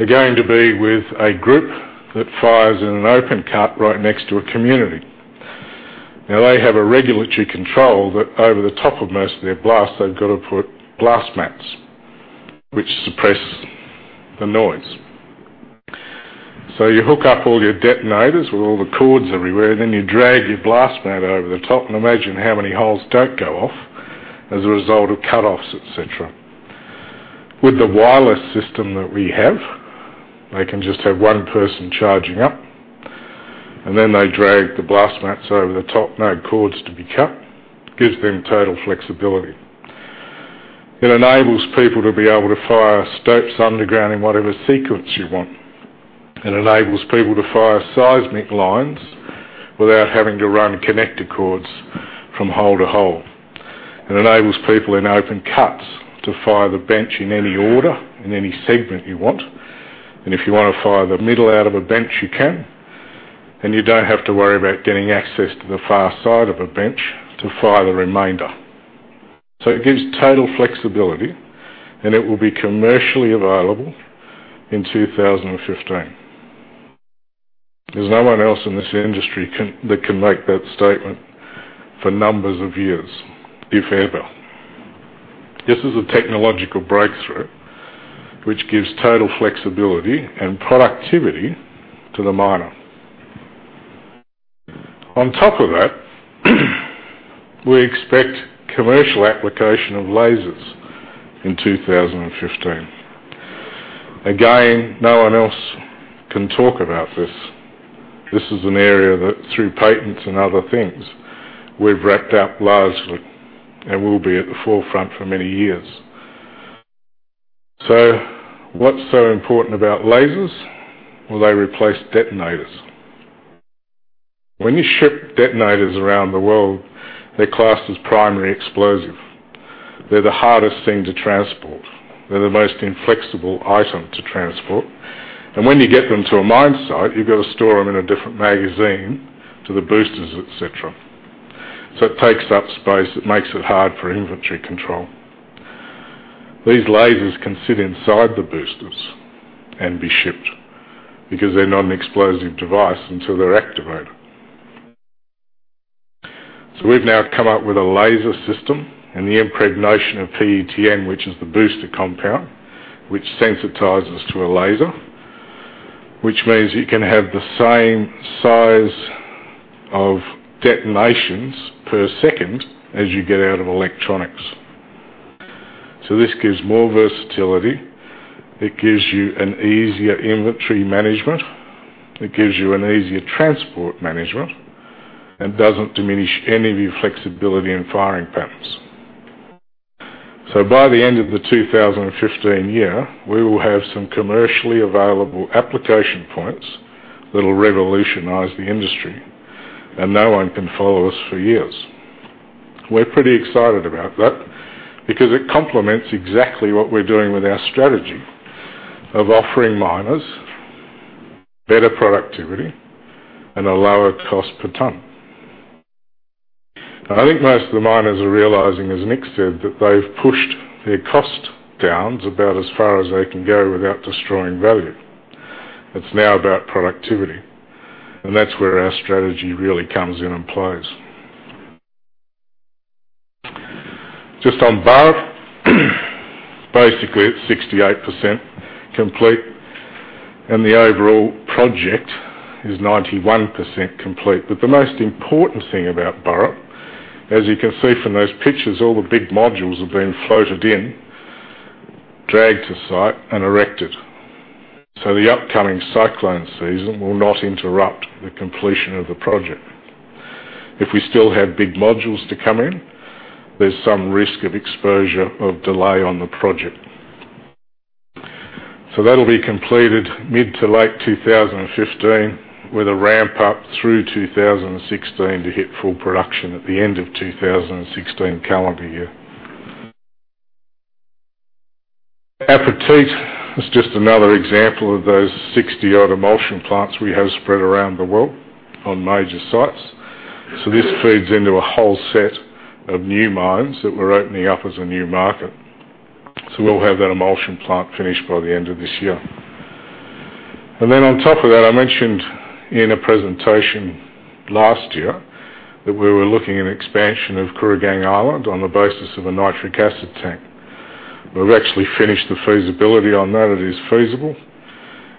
are going to be with a group that fires in an open cut right next to a community. Now they have a regulatory control that over the top of most of their blasts, they've got to put blast mats, which suppresses the noise. You hook up all your detonators with all the cords everywhere, then you drag your blast mat over the top and imagine how many holes don't go off as a result of cutoffs, et cetera. With the wireless system that we have, they can just have one person charging up, then they drag the blast mats over the top. No cords to be cut. Gives them total flexibility. It enables people to be able to fire stopes underground in whatever sequence you want. It enables people to fire seismic lines without having to run connector cords from hole to hole. It enables people in open cuts to fire the bench in any order, in any segment you want. If you want to fire the middle out of a bench, you can. You don't have to worry about getting access to the far side of a bench to fire the remainder. It gives total flexibility, and it'll be commercially available in 2015. There's no one else in this industry that can make that statement for numbers of years, if ever. This is a technological breakthrough which gives total flexibility and productivity to the miner. On top of that, we expect commercial application of lasers in 2015. No one else can talk about this. This is an area that through patents and other things, we've racked up largely and will be at the forefront for many years. What's so important about lasers? They replace detonators. When you ship detonators around the world, they're classed as primary explosive. They're the hardest thing to transport. They're the most inflexible item to transport. When you get them to a mine site, you've got to store them in a different magazine to the boosters, et cetera. It takes up space. It makes it hard for inventory control. These lasers can sit inside the boosters and be shipped because they're not an explosive device until they're activated. We've now come up with a laser system and the impregnation of PETN, which is the booster compound, which sensitizes to a laser. Which means you can have the same size of detonations per second as you get out of electronics. This gives more versatility. It gives you an easier inventory management. It gives you an easier transport management and doesn't diminish any of your flexibility and firing patterns. By the end of the 2015 year, we will have some commercially available application points that'll revolutionize the industry, and no one can follow us for years. We're pretty excited about that because it complements exactly what we're doing with our strategy of offering miners better productivity and a lower cost per ton. I think most of the miners are realizing, as Nick said, that they've pushed their cost downs about as far as they can go without destroying value. It's now about productivity, and that's where our strategy really comes in and plays. On Burrup, basically at 68% complete, and the overall project is 91% complete. The most important thing about Burrup, as you can see from those pictures, all the big modules have been floated in, dragged to site and erected. The upcoming cyclone season will not interrupt the completion of the project. If we still have big modules to come in, there's some risk of exposure of delay on the project. That'll be completed mid to late 2015 with a ramp-up through 2016 to hit full production at the end of 2016 calendar year. Água Preta is just another example of those 60-odd emulsion plants we have spread around the world on major sites. This feeds into a whole set of new mines that we're opening up as a new market. We'll have that emulsion plant finished by the end of this year. On top of that, I mentioned in a presentation last year that we were looking at expansion of Kooragang Island on the basis of a nitric acid tank. We've actually finished the feasibility on that. It is feasible.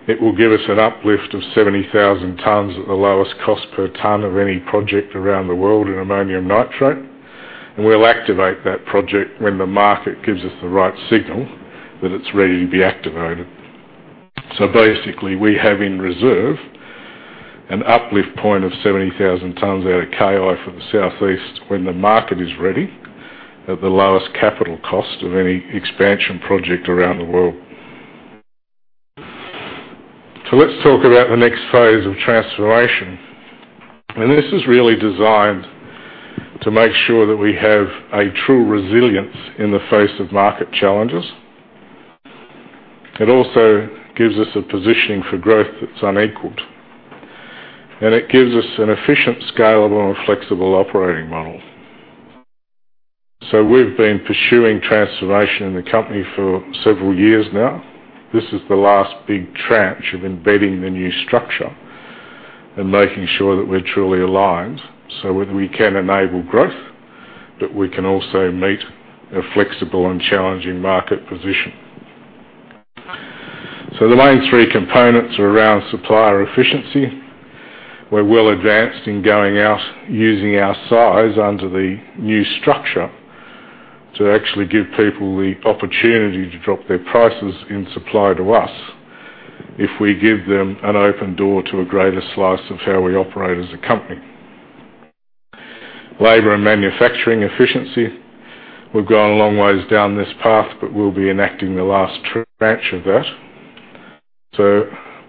It will give us an uplift of 70,000 tons at the lowest cost per ton of any project around the world in ammonium nitrate. We'll activate that project when the market gives us the right signal that it's ready to be activated. Basically, we have in reserve an uplift point of 70,000 tons out of KI for the Southeast when the market is ready at the lowest capital cost of any expansion project around the world. Let's talk about the next phase of transformation. This is really designed to make sure that we have a true resilience in the face of market challenges. It also gives us a positioning for growth that's unequaled. It gives us an efficient, scalable, and flexible operating model. We've been pursuing transformation in the company for several years now. This is the last big tranche of embedding the new structure and making sure that we're truly aligned, so whether we can enable growth, but we can also meet a flexible and challenging market position. The main three components are around supplier efficiency. We're well advanced in going out using our size under the new structure to actually give people the opportunity to drop their prices in supply to us if we give them an open door to a greater slice of how we operate as a company. Labor and manufacturing efficiency, we've gone a long ways down this path, but we'll be enacting the last tranche of that.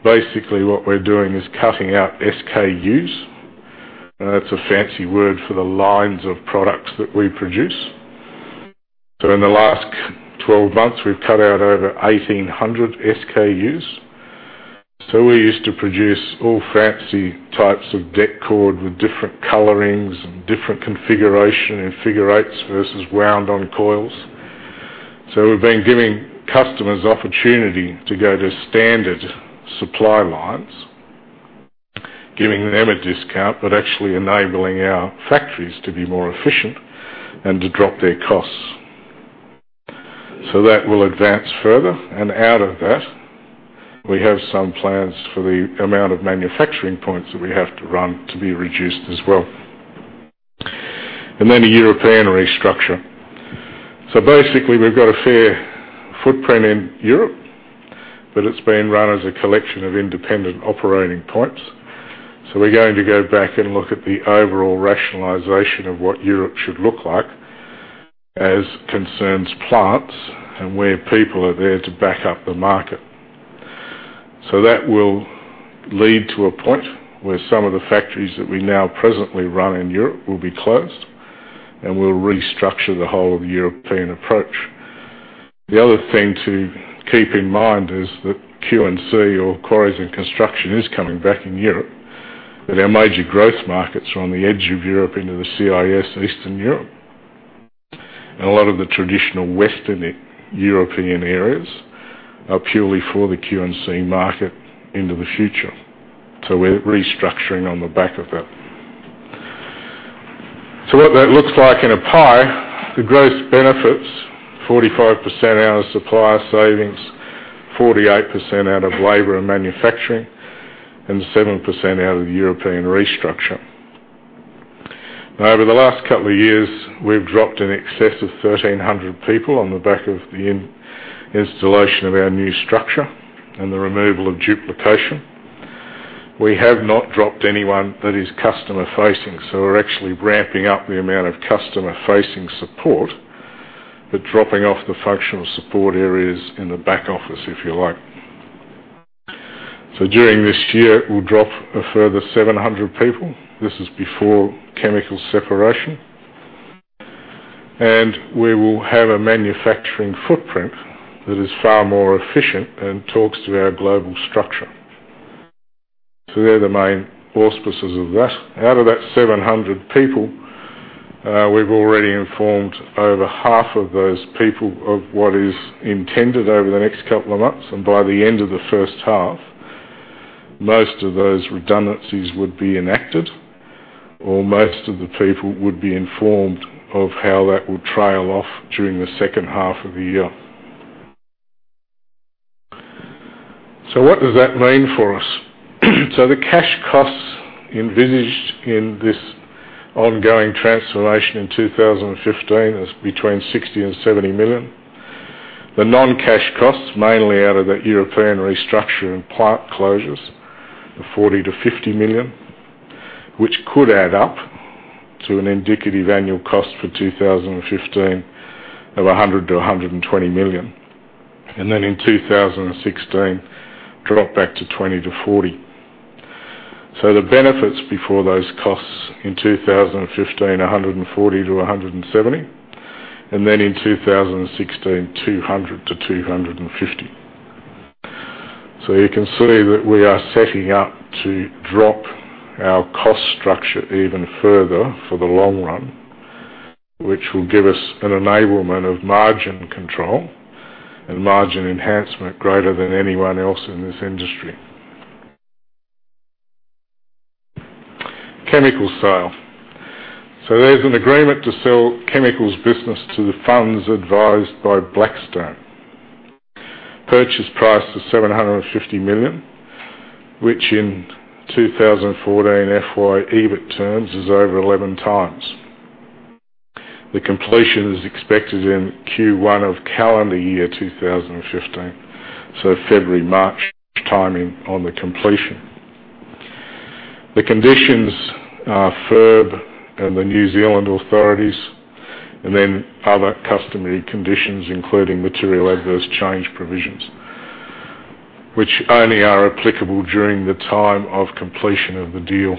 Basically, what we're doing is cutting out SKUs. That's a fancy word for the lines of products that we produce. In the last 12 months, we've cut out over 1,800 SKUs. We used to produce all fancy types of det cord with different colorings and different configuration and figure eights versus wound on coils. We've been giving customers opportunity to go to standard supply lines, giving them a discount, but actually enabling our factories to be more efficient and to drop their costs. That will advance further. Out of that, we have some plans for the amount of manufacturing points that we have to run to be reduced as well. A European restructure. Basically, we've got a fair footprint in Europe, but it's being run as a collection of independent operating points. We're going to go back and look at the overall rationalization of what Europe should look like as concerns plants and where people are there to back up the market. That will lead to a point where some of the factories that we now presently run in Europe will be closed, and we'll restructure the whole of the European approach. The other thing to keep in mind is that Q&C or quarries and construction is coming back in Europe, but our major growth markets are on the edge of Europe into the CIS, Eastern Europe. A lot of the traditional Western European areas are purely for the Q&C market into the future. We're restructuring on the back of that. What that looks like in a pie, the gross benefits, 45% out of supplier savings, 48% out of labor and manufacturing, and 7% out of the European restructure. Over the last couple of years, we've dropped in excess of 1,300 people on the back of the installation of our new structure and the removal of duplication. We have not dropped anyone that is customer-facing, so we're actually ramping up the amount of customer-facing support, but dropping off the functional support areas in the back office, if you like. During this year, we'll drop a further 700 people. This is before chemical separation. We will have a manufacturing footprint that is far more efficient and talks to our global structure. They're the main auspices of that. Out of that 700 people, we've already informed over half of those people of what is intended over the next couple of months, by the end of the first half, most of those redundancies would be enacted, or most of the people would be informed of how that would trail off during the second half of the year. What does that mean for us? The cash costs envisaged in this ongoing transformation in 2015 is between 60 million-70 million. The non-cash costs, mainly out of that European restructure and plant closures, are 40 million-50 million, which could add up to an indicative annual cost for 2015 of 100 million-120 million. Then in 2016, drop back to 20 million-40 million. The benefits before those costs in 2015, 140 million-170 million. Then in 2016, 200 million-250 million. You can see that we are setting up to drop our cost structure even further for the long run, which will give us an enablement of margin control and margin enhancement greater than anyone else in this industry. Chemical sale. There's an agreement to sell chemicals business to the funds advised by Blackstone. Purchase price is 750 million, which in FY 2014 EBIT terms is over 11 times. The completion is expected in Q1 of calendar year 2015, February, March timing on the completion. The conditions are FIRB and the New Zealand authorities, other customary conditions, including material adverse change provisions, which only are applicable during the time of completion of the deal.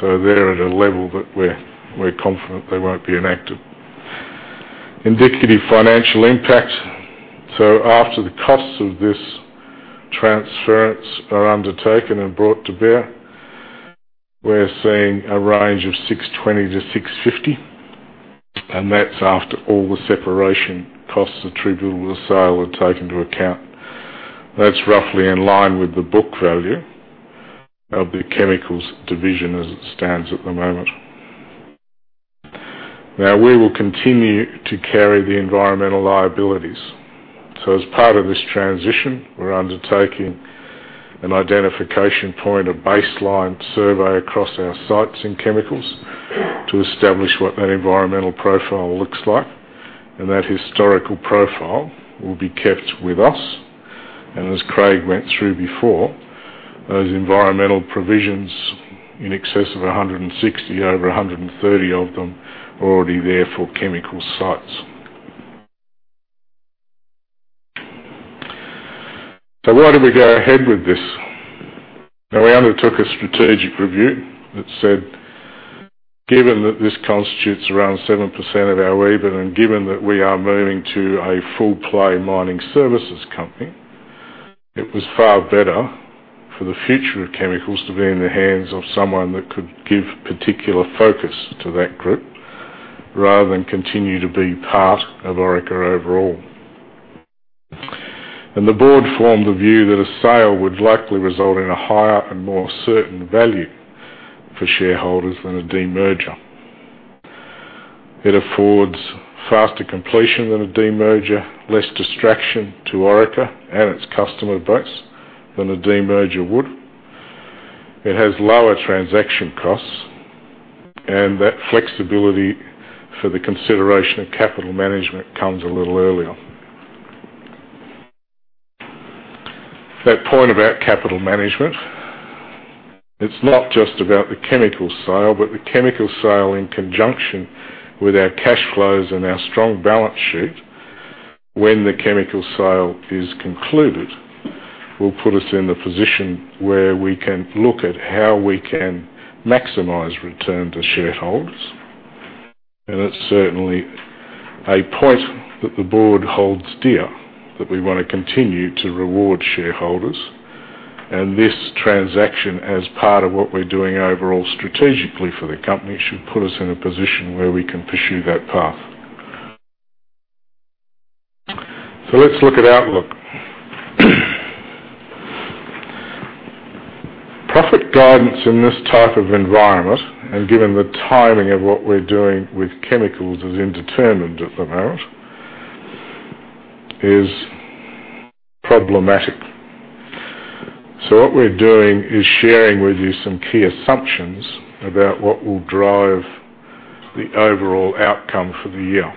They're at a level that we're confident they won't be enacted. Indicative financial impact. After the costs of this transference are undertaken and brought to bear, we're seeing a range of 620 million-650 million, that's after all the separation costs attributable to the sale are taken into account. That's roughly in line with the book value of the chemicals division as it stands at the moment. We will continue to carry the environmental liabilities. As part of this transition, we're undertaking an identification point, a baseline survey across our sites in chemicals to establish what that environmental profile looks like, that historical profile will be kept with us. As Craig went through before, those environmental provisions in excess of 160 million, over 130 million of them are already there for chemical sites. Why did we go ahead with this? We undertook a strategic review that said, given that this constitutes around 7% of our EBIT, given that we are moving to a full-play mining services company, it was far better for the future of chemicals to be in the hands of someone that could give particular focus to that group rather than continue to be part of Orica overall. The board formed the view that a sale would likely result in a higher and more certain value for shareholders than a demerger. It affords faster completion than a demerger, less distraction to Orica and its customer base than a demerger would. It has lower transaction costs, that flexibility for the consideration of capital management comes a little earlier. That point about capital management, it's not just about the chemicals sale, but the chemicals sale in conjunction with our cash flows and our strong balance sheet. When the chemicals sale is concluded, will put us in the position where we can look at how we can maximize return to shareholders. It's certainly a point that the board holds dear, that we want to continue to reward shareholders. This transaction, as part of what we're doing overall strategically for the company, should put us in a position where we can pursue that path. Let's look at outlook. Profit guidance in this type of environment, given the timing of what we're doing with chemicals is indeterminate at the moment, is problematic. What we're doing is sharing with you some key assumptions about what will drive the overall outcome for the year.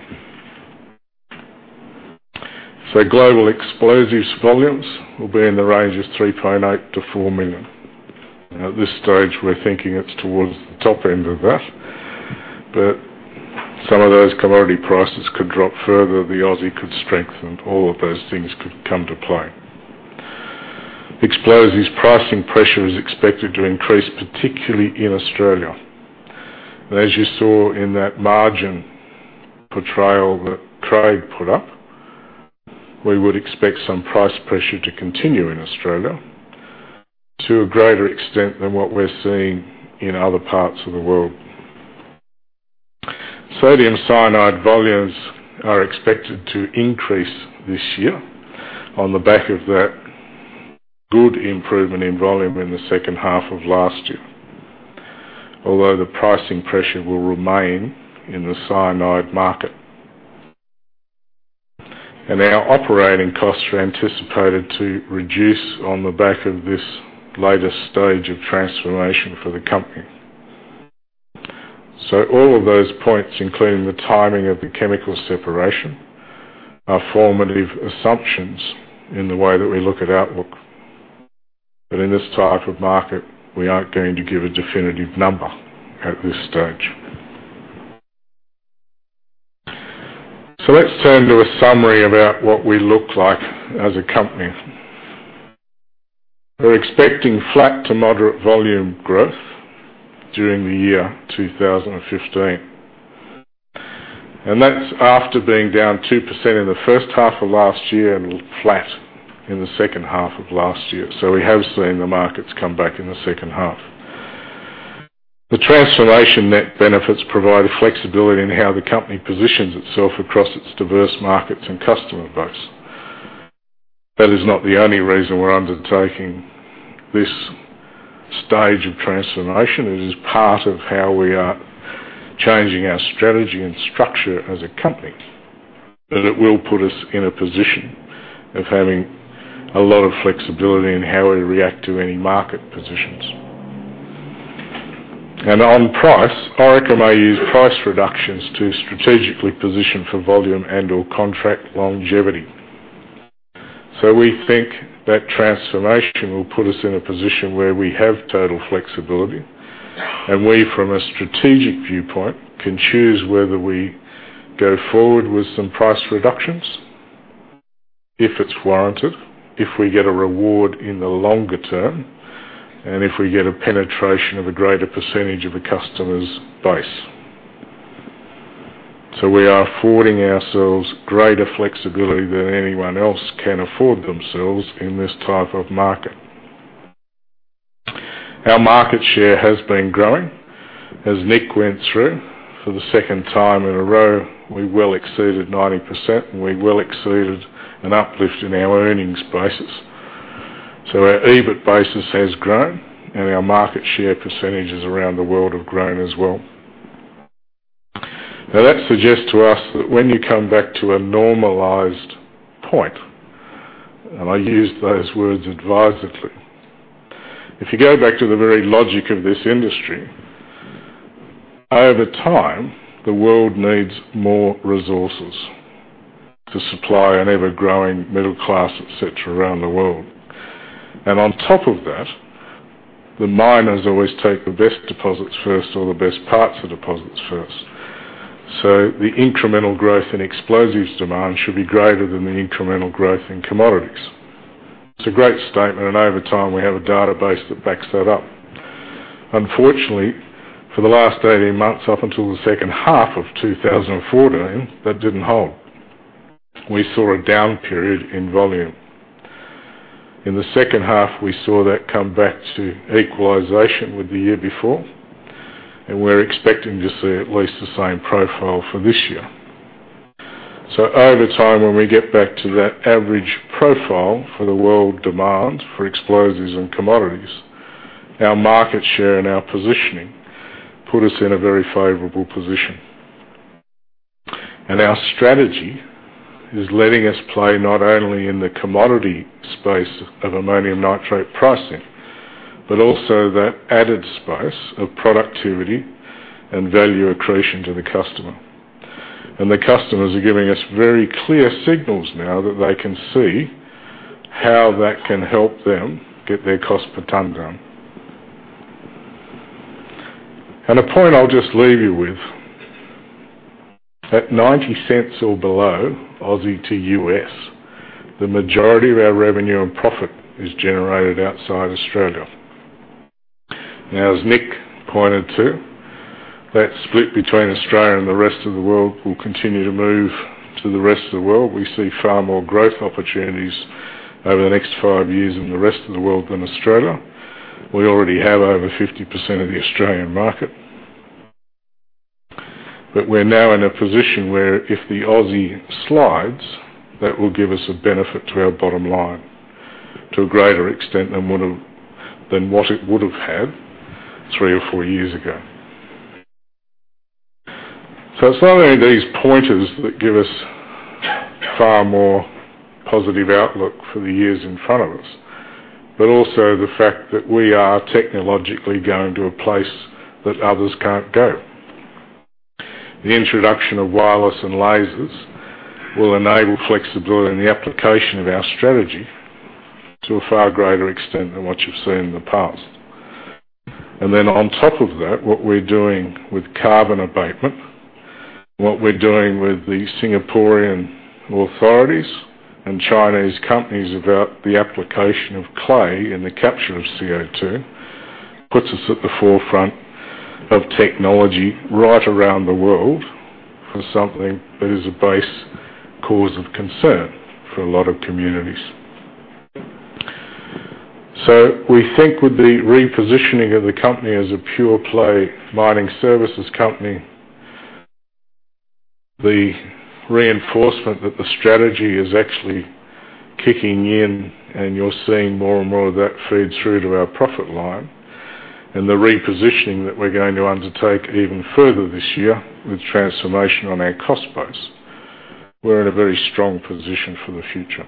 Global explosives volumes will be in the range of 3.8 million-4 million. At this stage, we're thinking it's towards the top end of that. Some of those commodity prices could drop further, the Aussie could strengthen, all of those things could come to play. Explosives pricing pressure is expected to increase, particularly in Australia. As you saw in that margin portrayal that Craig put up, we would expect some price pressure to continue in Australia to a greater extent than what we're seeing in other parts of the world. Sodium cyanide volumes are expected to increase this year on the back of that good improvement in volume in the second half of last year. Although, the pricing pressure will remain in the cyanide market. Our operating costs are anticipated to reduce on the back of this latest stage of transformation for the company. All of those points, including the timing of the chemicals separation, are formative assumptions in the way that we look at outlook. In this type of market, we aren't going to give a definitive number at this stage. Let's turn to a summary about what we look like as a company. We're expecting flat to moderate volume growth during the year 2015. That's after being down 2% in the first half of last year and flat in the second half of last year. We have seen the markets come back in the second half. The transformation net benefits provide flexibility in how the company positions itself across its diverse markets and customer base. That is not the only reason we're undertaking this stage of transformation. It is part of how we are changing our strategy and structure as a company. It will put us in a position of having a lot of flexibility in how we react to any market positions. On price, Orica may use price reductions to strategically position for volume and/or contract longevity. We think that transformation will put us in a position where we have total flexibility and we, from a strategic viewpoint, can choose whether we go forward with some price reductions if it is warranted, if we get a reward in the longer term, and if we get a penetration of a greater percentage of a customer's base. We are affording ourselves greater flexibility than anyone else can afford themselves in this type of market. Our market share has been growing. As Nick went through, for the second time in a row, we well exceeded 90%, and we well exceeded an uplift in our earnings basis. Our EBIT basis has grown and our market share percentages around the world have grown as well. That suggests to us that when you come back to a normalized point, and I use those words advisedly. If you go back to the very logic of this industry, over time, the world needs more resources to supply an ever-growing middle class, et cetera, around the world. On top of that, the miners always take the best deposits first or the best parts of deposits first. The incremental growth in explosives demand should be greater than the incremental growth in commodities. It is a great statement, and over time, we have a database that backs that up. Unfortunately, for the last 18 months, up until the second half of 2014, that did not hold. We saw a down period in volume. In the second half, we saw that come back to equalization with the year before, and we're expecting to see at least the same profile for this year. Over time, when we get back to that average profile for the world demand for explosives and commodities, our market share and our positioning put us in a very favorable position. Our strategy is letting us play not only in the commodity space of ammonium nitrate pricing, but also that added space of productivity and value accretion to the customer. The customers are giving us very clear signals now that they can see how that can help them get their cost per ton down. A point I will just leave you with. At 0.90 or below AUD to USD, the majority of our revenue and profit is generated outside Australia. As Nick pointed to, that split between Australia and the rest of the world will continue to move to the rest of the world. We see far more growth opportunities over the next 5 years in the rest of the world than Australia. We already have over 50% of the Australian market. We're now in a position where if the AUD slides, that will give us a benefit to our bottom line to a greater extent than what it would have had 3 or 4 years ago. It's not only these pointers that give us far more positive outlook for the years in front of us, but also the fact that we are technologically going to a place that others can't go. The introduction of wireless and lasers will enable flexibility in the application of our strategy to a far greater extent than what you've seen in the past. On top of that, what we're doing with carbon abatement, what we're doing with the Singaporean authorities and Chinese companies about the application of clay in the capture of CO2, puts us at the forefront of technology right around the world for something that is a base cause of concern for a lot of communities. We think with the repositioning of the company as a pure play mining services company, the reinforcement that the strategy is actually kicking in and you're seeing more and more of that feed through to our profit line, and the repositioning that we're going to undertake even further this year with transformation on our cost base, we're in a very strong position for the future.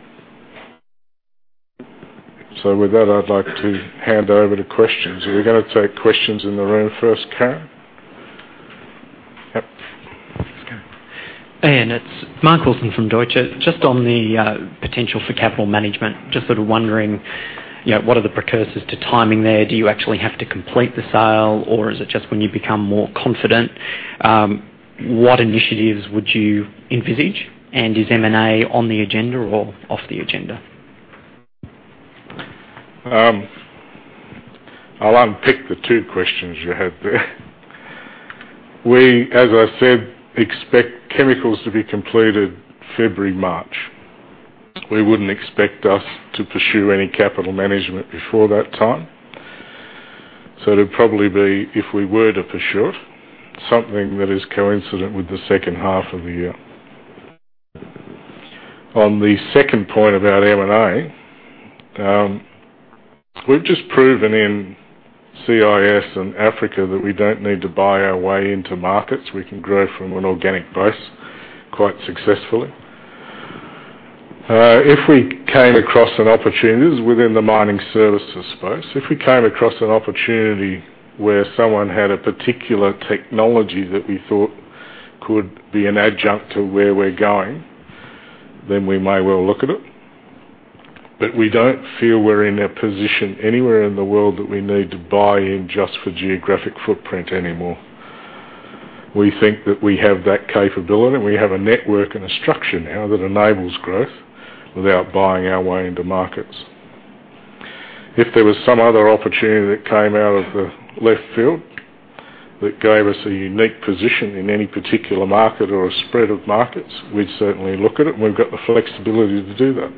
With that, I'd like to hand over to questions. Are we going to take questions in the room first, Karen? Yep. Thanks, Karen. Ian, it's Mark Wilson from Deutsche. On the potential for capital management, wondering, what are the precursors to timing there? Do you actually have to complete the sale, or is it just when you become more confident? What initiatives would you envisage? Is M&A on the agenda or off the agenda? I'll unpick the two questions you had there. We, as I said, expect chemicals to be completed February, March. We wouldn't expect us to pursue any capital management before that time. It'd probably be, if we were to pursue it, something that is coincident with the second half of the year. On the second point about M&A, we've just proven in CIS and Africa that we don't need to buy our way into markets. We can grow from an organic base quite successfully. If we came across an opportunity, this is within the mining services space. If we came across an opportunity where someone had a particular technology that we thought could be an adjunct to where we're going, then we may well look at it. We don't feel we're in a position anywhere in the world that we need to buy in just for geographic footprint anymore. We think that we have that capability, we have a network and a structure now that enables growth without buying our way into markets. If there was some other opportunity that came out of the left field that gave us a unique position in any particular market or a spread of markets, we'd certainly look at it, we've got the flexibility to do that.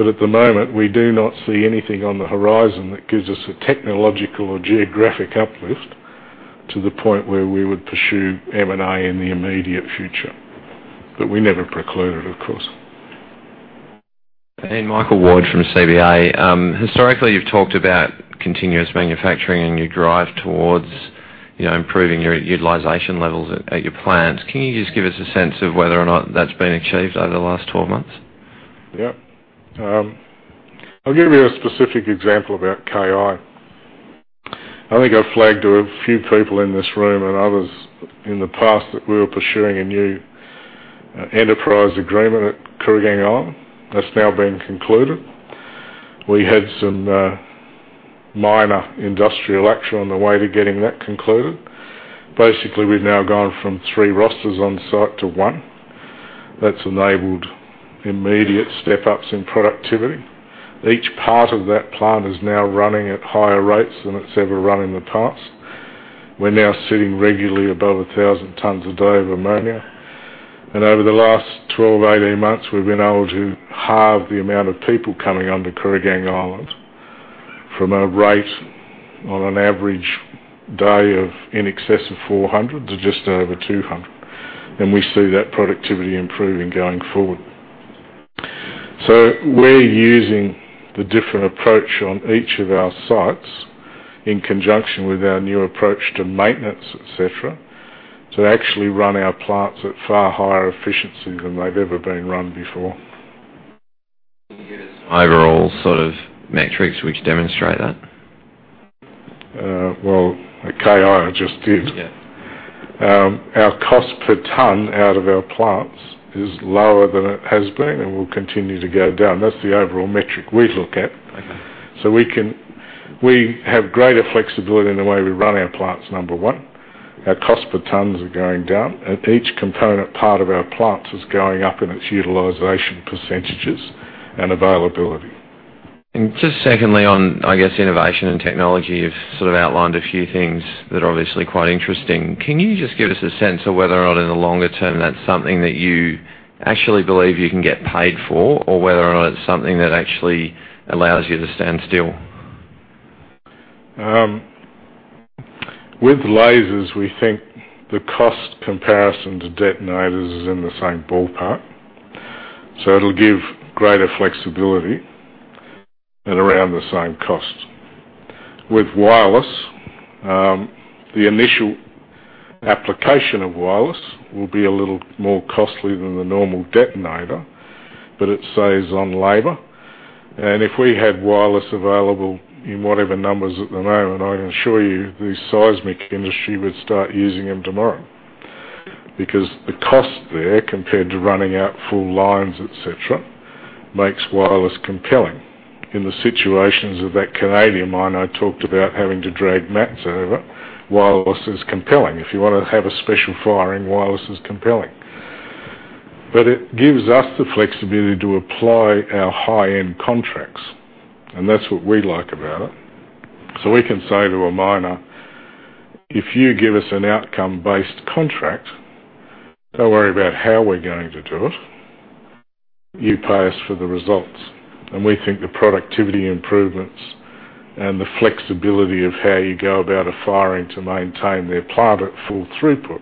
At the moment, we do not see anything on the horizon that gives us a technological or geographic uplift to the point where we would pursue M&A in the immediate future. We never preclude it, of course. Ian, Michael Ward from CBA. Historically, you've talked about continuous manufacturing and your drive towards improving your utilization levels at your plants. Can you just give us a sense of whether or not that's been achieved over the last 12 months? Yep. I'll give you a specific example about KI. I think I flagged to a few people in this room and others in the past that we were pursuing a new enterprise agreement at Kooragang Island. That's now been concluded. We had some minor industrial action on the way to getting that concluded. Basically, we've now gone from three rosters on site to one. That's enabled immediate step-ups in productivity. Each part of that plant is now running at higher rates than it's ever run in the past. We're now sitting regularly above 1,000 tons a day of ammonia. Over the last 12, 18 months, we've been able to halve the amount of people coming onto Kooragang Island from a rate on an average day of in excess of 400 to just over 200. We see that productivity improving going forward We're using the different approach on each of our sites in conjunction with our new approach to maintenance, et cetera, to actually run our plants at far higher efficiency than they've ever been run before. Can you give us overall sort of metrics which demonstrate that? Well, KI, I just did. Yeah. Our cost per ton out of our plants is lower than it has been and will continue to go down. That's the overall metric we look at. Okay. We have greater flexibility in the way we run our plants, number 1. Our cost per tons are going down, and each component part of our plants is going up in its utilization % and availability. Just secondly on, I guess, innovation and technology. You've sort of outlined a few things that are obviously quite interesting. Can you just give us a sense of whether or not in the longer term that's something that you actually believe you can get paid for, or whether or not it's something that actually allows you to stand still? With lasers, we think the cost comparison to detonators is in the same ballpark. It'll give greater flexibility at around the same cost. With wireless, the initial application of wireless will be a little more costly than the normal detonator, but it saves on labor. If we had wireless available in whatever numbers at the moment, I can assure you the seismic industry would start using them tomorrow because the cost there, compared to running out full lines, et cetera, makes wireless compelling. In the situations of that Canadian mine I talked about having to drag mats over, wireless is compelling. If you want to have a special firing, wireless is compelling. It gives us the flexibility to apply our high-end contracts, and that's what we like about it. We can say to a miner, "If you give us an outcome-based contract, don't worry about how we're going to do it. You pay us for the results." We think the productivity improvements and the flexibility of how you go about a firing to maintain their plant at full throughput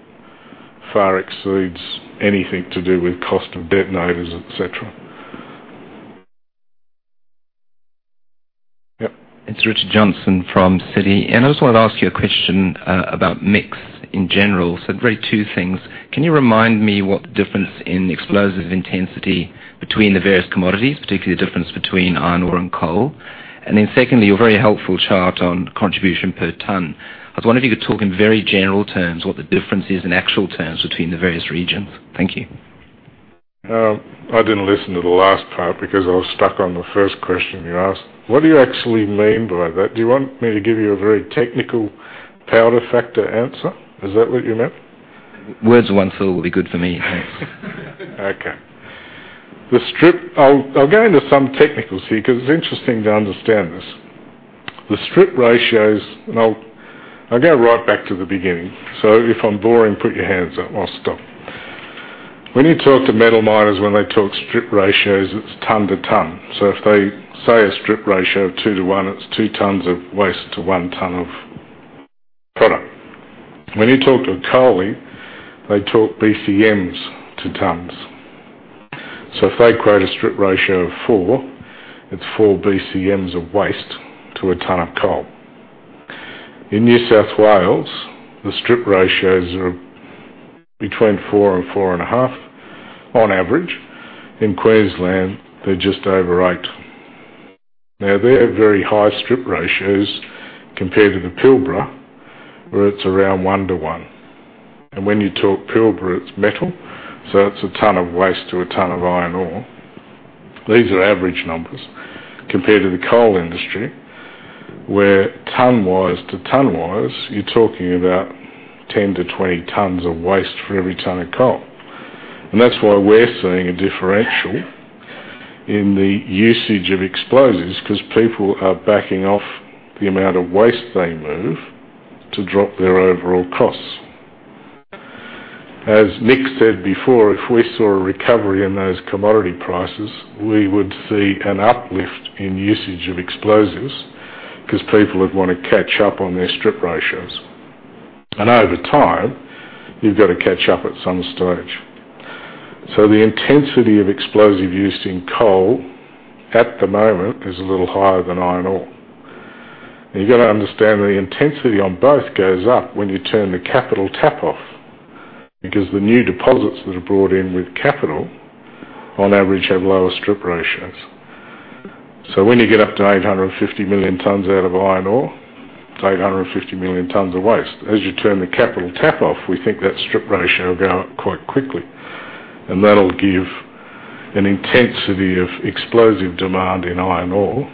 far exceeds anything to do with cost of detonators, et cetera. Yep. It's Richard Johnson from Citi. I just wanted to ask you a question about mix in general. Really two things. Can you remind me what the difference in explosive intensity between the various commodities, particularly the difference between iron ore and coal? Secondly, your very helpful chart on contribution per ton. I was wondering if you could talk in very general terms what the difference is in actual terms between the various regions. Thank you. I didn't listen to the last part because I was stuck on the first question you asked. What do you actually mean by that? Do you want me to give you a very technical powder factor answer? Is that what you meant? Words of one syllable will be good for me, thanks. Okay. I'll go into some technicals here because it's interesting to understand this. The strip ratios, I'll go right back to the beginning. If I'm boring, put your hands up. I'll stop. When you talk to metal miners, when they talk strip ratios, it's ton to ton. If they say a strip ratio of 2 to 1, it's 2 tons of waste to 1 ton of product. When you talk to a coaly, they talk BCMs to tons. If they quote a strip ratio of 4, it's 4 BCMs of waste to a ton of coal. In New South Wales, the strip ratios are between 4 and 4 and a half on average. In Queensland, they're just over 8. They have very high strip ratios compared to the Pilbara, where it's around 1 to 1. When you talk Pilbara, it's metal, so it's a ton of waste to a ton of iron ore. These are average numbers compared to the coal industry, where ton wise to ton wise, you're talking about 10 to 20 tons of waste for every ton of coal. That's why we're seeing a differential in the usage of explosives, because people are backing off the amount of waste they move to drop their overall costs. As Nick said before, if we saw a recovery in those commodity prices, we would see an uplift in usage of explosives because people would want to catch up on their strip ratios. Over time, you've got to catch up at some stage. The intensity of explosive used in coal at the moment is a little higher than iron ore. You've got to understand that the intensity on both goes up when you turn the capital tap off, because the new deposits that are brought in with capital on average have lower strip ratios. When you get up to 850 million tons out of iron ore, it's 850 million tons of waste. You turn the capital tap off, we think that strip ratio will go up quite quickly, and that'll give an intensity of explosive demand in iron ore,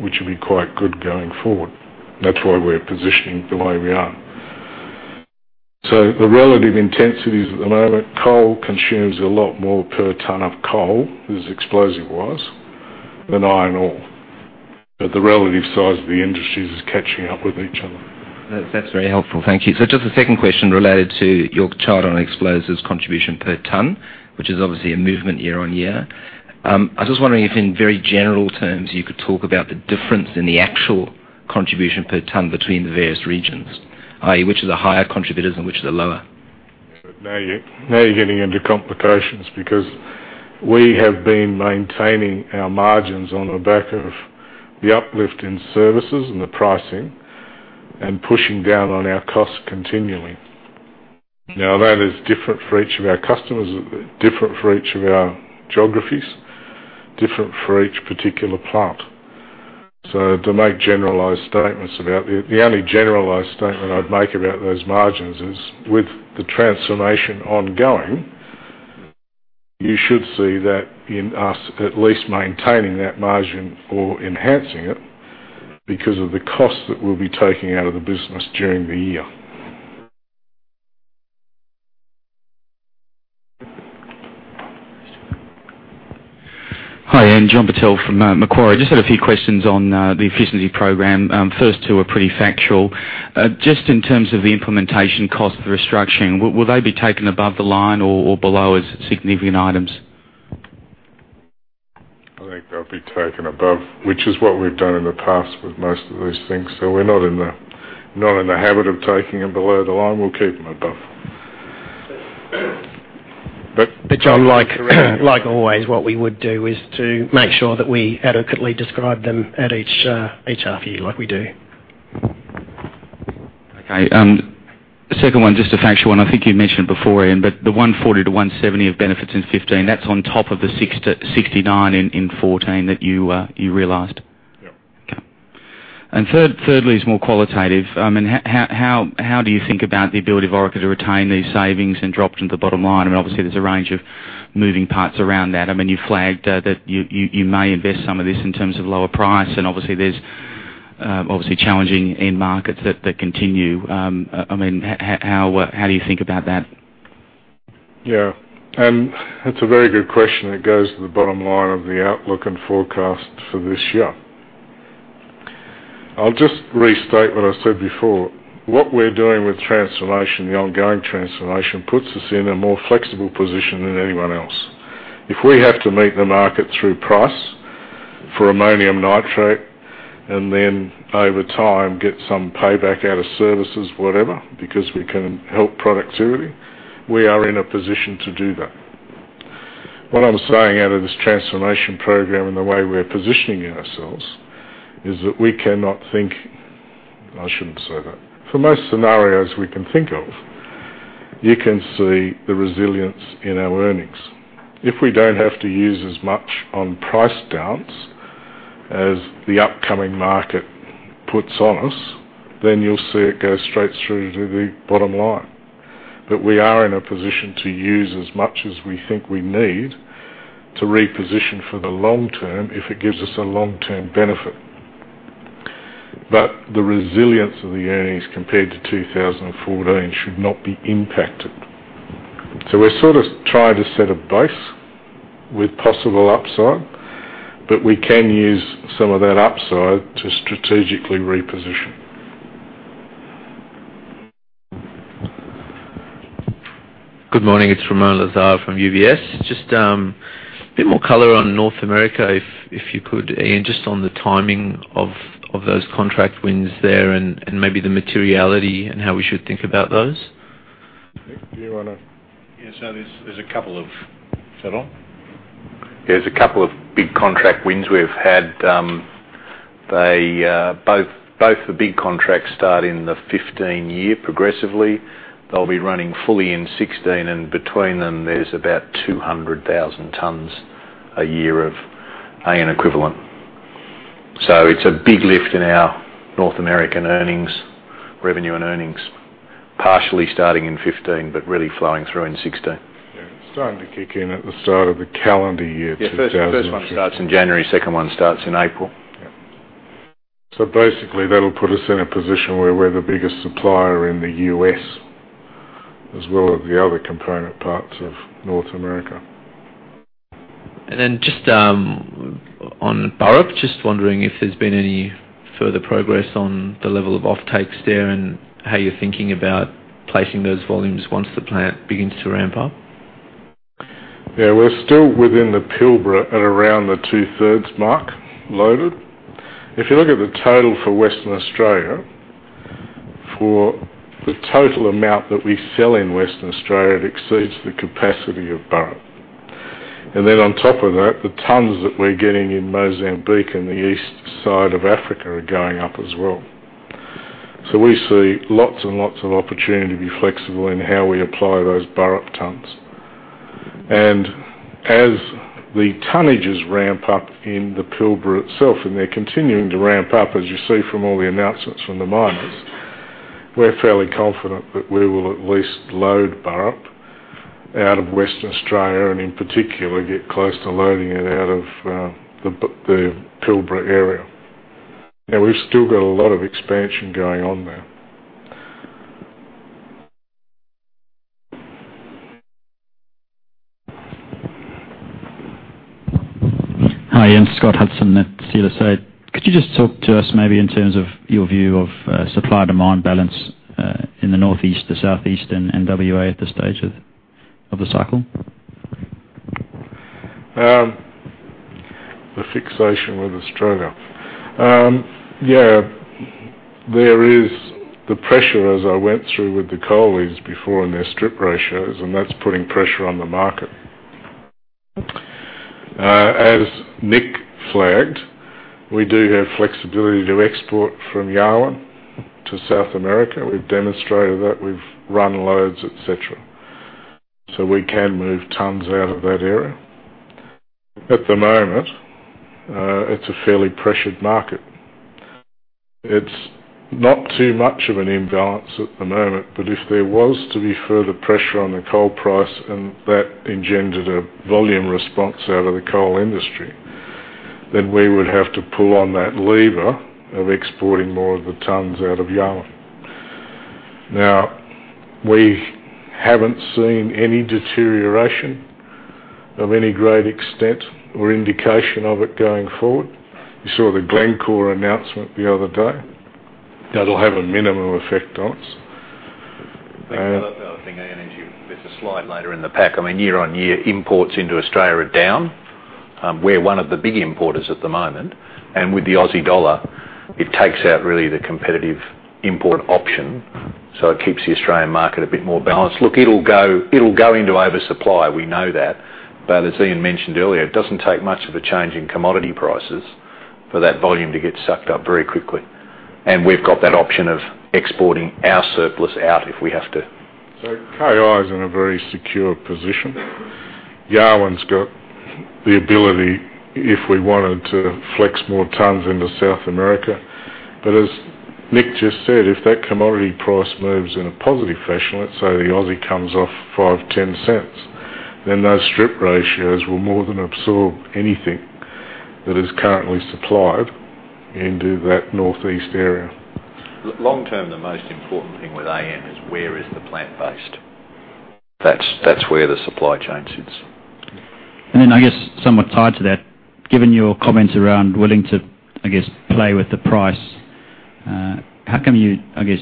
which will be quite good going forward. That's why we're positioning the way we are. The relative intensities at the moment, coal consumes a lot more per ton of coal as explosive was than iron ore. The relative size of the industries is catching up with each other. That's very helpful. Thank you. Just a second question related to your chart on explosives contribution per ton, which is obviously a movement year-on-year. I was just wondering if in very general terms, you could talk about the difference in the actual contribution per ton between the various regions, i.e., which are the higher contributors and which are the lower? Now you're getting into complications because we have been maintaining our margins on the back of the uplift in services and the pricing, and pushing down on our costs continually. That is different for each of our customers, different for each of our geographies, different for each particular plant. To make generalized statements about it, the only generalized statement I'd make about those margins is with the transformation ongoing, you should see that in us at least maintaining that margin or enhancing it because of the cost that we'll be taking out of the business during the year. Hi, Ian. John Purtell from Macquarie. Just had a few questions on the efficiency program. First two are pretty factual. Just in terms of the implementation cost of the restructuring, will they be taken above the line or below as significant items? I think they'll be taken above, which is what we've done in the past with most of these things. We're not in the habit of taking them below the line. We'll keep them above. John, like always, what we would do is to make sure that we adequately describe them at each half year like we do. The second one, just a factual one. I think you mentioned before, Ian, but the 140 to 170 of benefits in 2015, that's on top of the 69 in 2014 that you realized. Yep. Thirdly is more qualitative. How do you think about the ability of Orica to retain these savings and drop them to the bottom line? Obviously, there's a range of moving parts around that. You flagged that you may invest some of this in terms of lower price, and obviously there's challenging end markets that continue. How do you think about that? Yeah. It's a very good question that goes to the bottom line of the outlook and forecast for this year. I'll just restate what I said before. What we're doing with transformation, the ongoing transformation, puts us in a more flexible position than anyone else. If we have to meet the market through price for ammonium nitrate, and then over time, get some payback out of services, whatever, because we can help productivity, we are in a position to do that. What I'm saying out of this transformation program and the way we're positioning ourselves is that we cannot think I shouldn't say that. For most scenarios we can think of, you can see the resilience in our earnings. If we don't have to use as much on price downs as the upcoming market puts on us, then you'll see it go straight through to the bottom line. We are in a position to use as much as we think we need to reposition for the long term if it gives us a long-term benefit. The resilience of the earnings compared to 2014 should not be impacted. We're sort of trying to set a base with possible upside, but we can use some of that upside to strategically reposition. Good morning. It's Ramoun Lazar from UBS. Just a bit more color on North America, if you could, Ian, just on the timing of those contract wins there and maybe the materiality and how we should think about those. Nick, do you want to Yeah. Is that on? There is a couple of big contract wins we have had. Both the big contracts start in the 2015 year progressively. They will be running fully in 2016, and between them, there is about 200,000 tons a year of AN equivalent. It is a big lift in our North American earnings, revenue and earnings, partially starting in 2015, but really flowing through in 2016. It is starting to kick in at the start of the calendar year 2015. First one starts in January, second one starts in April. Basically, that will put us in a position where we are the biggest supplier in the U.S., as well as the other component parts of North America. Just on Burrup, just wondering if there's been any further progress on the level of offtakes there and how you're thinking about placing those volumes once the plant begins to ramp up. Yeah. We're still within the Pilbara at around the two-thirds mark loaded. If you look at the total for Western Australia, for the total amount that we sell in Western Australia, it exceeds the capacity of Burrup. On top of that, the tons that we're getting in Mozambique and the east side of Africa are going up as well. We see lots and lots of opportunity to be flexible in how we apply those Burrup tons. As the tonnages ramp up in the Pilbara itself, and they're continuing to ramp up, as you see from all the announcements from the miners, we're fairly confident that we will at least load Burrup out of Western Australia, and in particular, get close to loading it out of the Pilbara area. We've still got a lot of expansion going on there. Hi, Ian. Scott Hudson at CLSA. Could you just talk to us maybe in terms of your view of supply-demand balance in the northeast, the southeast, and WA at this stage of the cycle? The fixation with Australia. Yeah. There is the pressure, as I went through with the coalies before and their strip ratios, and that's putting pressure on the market. As Nick flagged, we do have flexibility to export from Yarwun to South America. We've demonstrated that. We've run loads, et cetera. We can move tons out of that area. At the moment, it's a fairly pressured market. It's not too much of an imbalance at the moment, but if there was to be further pressure on the coal price and that engendered a volume response out of the coal industry, then we would have to pull on that lever of exporting more of the tons out of Yarwun. We haven't seen any deterioration of any great extent or indication of it going forward. You saw the Glencore announcement the other day. That'll have a minimal effect on us. The other thing, Ian, there's a slide later in the pack. Year-over-year, imports into Australia are down. We're one of the big importers at the moment. With the AUD, it takes out really the competitive import option. It keeps the Australian market a bit more balanced. Look, it'll go into oversupply, we know that. As Ian mentioned earlier, it doesn't take much of a change in commodity prices for that volume to get sucked up very quickly. We've got that option of exporting our surplus out if we have to. KI's in a very secure position. Yarwun's got the ability, if we wanted to flex more tons into South America. As Nick just said, if that commodity price moves in a positive fashion, let's say the AUD comes off 0.05, AUD 0.10, those strip ratios will more than absorb anything that is currently supplied into that northeast area. Long term, the most important thing with AN is where is the plant based. That's where the supply chain sits. I guess somewhat tied to that, given your comments around willing to play with the price, how come you're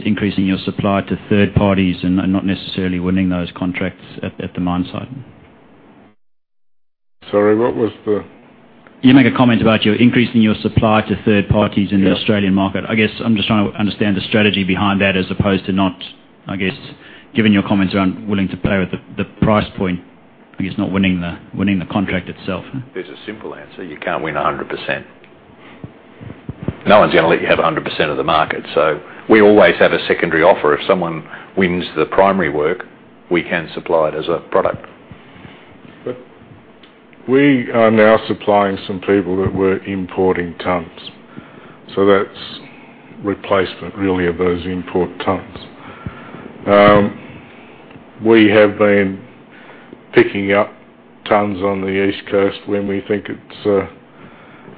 increasing your supply to third parties and not necessarily winning those contracts at the mine site? Sorry, what was the? You make a comment about you're increasing your supply to third parties. Yeah in the Australian market. I'm just trying to understand the strategy behind that as opposed to not, given your comments around willing to play with the price point, I guess not winning the contract itself. There's a simple answer. You can't win 100%. No one's gonna let you have 100% of the market. We always have a secondary offer. If someone wins the primary work, we can supply it as a product. We are now supplying some people that were importing tons. That's replacement really of those import tons. We have been picking up tons on the East Coast when we think it's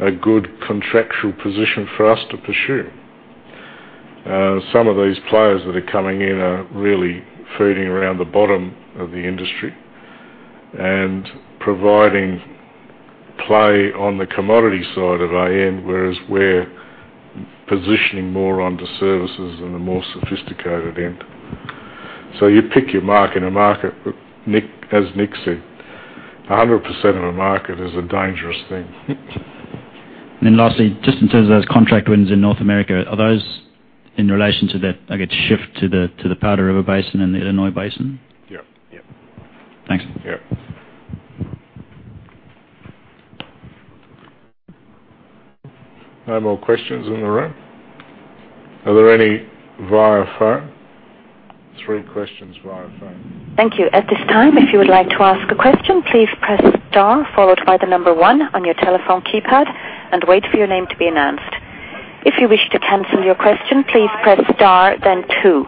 a good contractual position for us to pursue. Some of these players that are coming in are really ferreting around the bottom of the industry and providing play on the commodity side of AN, whereas we're positioning more onto services in a more sophisticated end. You pick your mark in a market, but as Nick said, 100% of a market is a dangerous thing. Lastly, just in terms of those contract wins in North America, are those in relation to that, I guess, shift to the Powder River Basin and the Illinois Basin? Yeah. Thanks. Yeah. No more questions in the room? Are there any via phone? Three questions via phone. Thank you. At this time, if you would like to ask a question, please press star followed by the number one on your telephone keypad and wait for your name to be announced. If you wish to cancel your question, please press star, then two.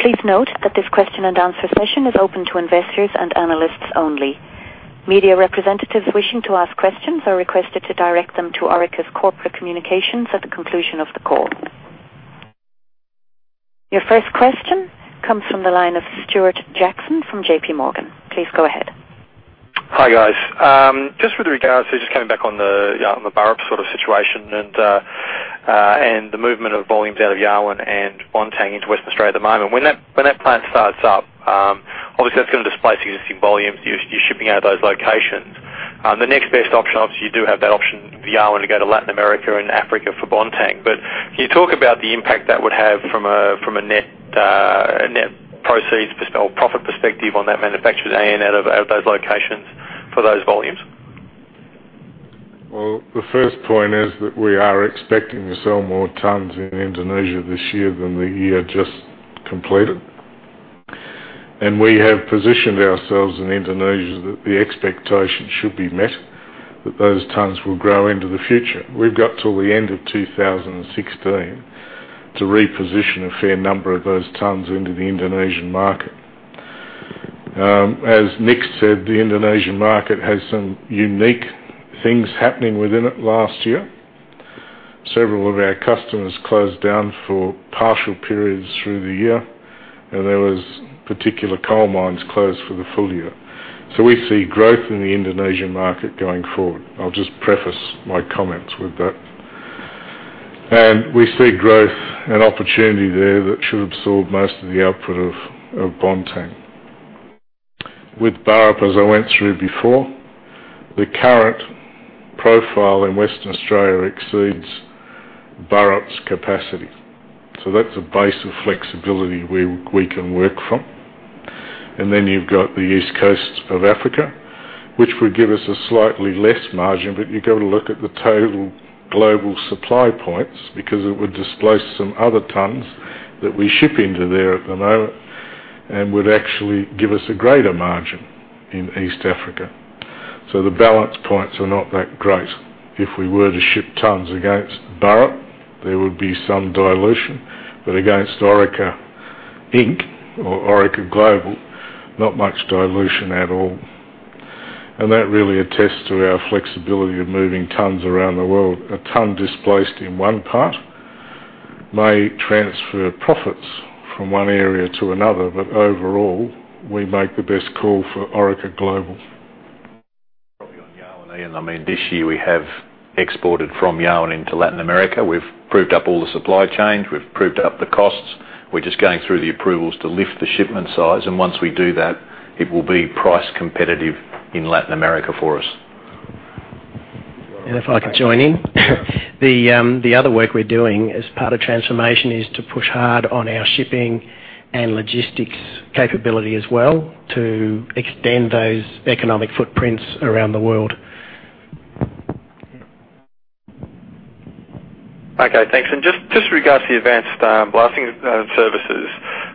Please note that this question and answer session is open to investors and analysts only. Media representatives wishing to ask questions are requested to direct them to Orica Corporate Communications at the conclusion of the call. Your first question comes from the line of Stuart Jackson from J.P. Morgan. Please go ahead. Hi, guys. With regards to, coming back on the Burrup sort of situation and the movement of volumes out of Yarwun and Bontang into Western Australia at the moment. When that plant starts up, obviously that's going to displace existing volume. You're shipping out of those locations. The next best option, obviously you do have that option for Yarwun to go to Latin America and Africa for Bontang. Can you talk about the impact that would have from a net proceeds or profit perspective on that manufactured AN out of those locations for those volumes? The first point is that we are expecting to sell more tons in Indonesia this year than the year just completed. We have positioned ourselves in Indonesia that the expectation should be met, that those tons will grow into the future. We've got till the end of 2016 to reposition a fair number of those tons into the Indonesian market. As Nick said, the Indonesian market had some unique things happening within it last year. Several of our customers closed down for partial periods through the year, and there was particular coal mines closed for the full year. We see growth in the Indonesian market going forward. I'll just preface my comments with that. We see growth and opportunity there that should absorb most of the output of Bontang. With Burrup, as I went through before, the current profile in Western Australia exceeds Burrup's capacity. That's a base of flexibility where we can work from. Then you've got the East Coast of Africa, which would give us a slightly less margin, but you've got to look at the total global supply points, because it would displace some other tons that we ship into there at the moment, and would actually give us a greater margin in East Africa. The balance points are not that great. If we were to ship tons against Burrup, there would be some dilution. Against Orica Inc. or Orica Global, not much dilution at all. That really attests to our flexibility of moving tons around the world. A ton displaced in one part may transfer profits from one area to another. Overall, we make the best call for Orica Global. Probably on Yarwun. This year we have exported from Yarwun into Latin America. We've proved up all the supply chains. We've proved up the costs. We're just going through the approvals to lift the shipment size. Once we do that, it will be price competitive in Latin America for us. If I could join in. The other work we're doing as part of transformation is to push hard on our shipping and logistics capability as well to extend those economic footprints around the world. Okay. Thanks. Just regards to the advanced blasting services,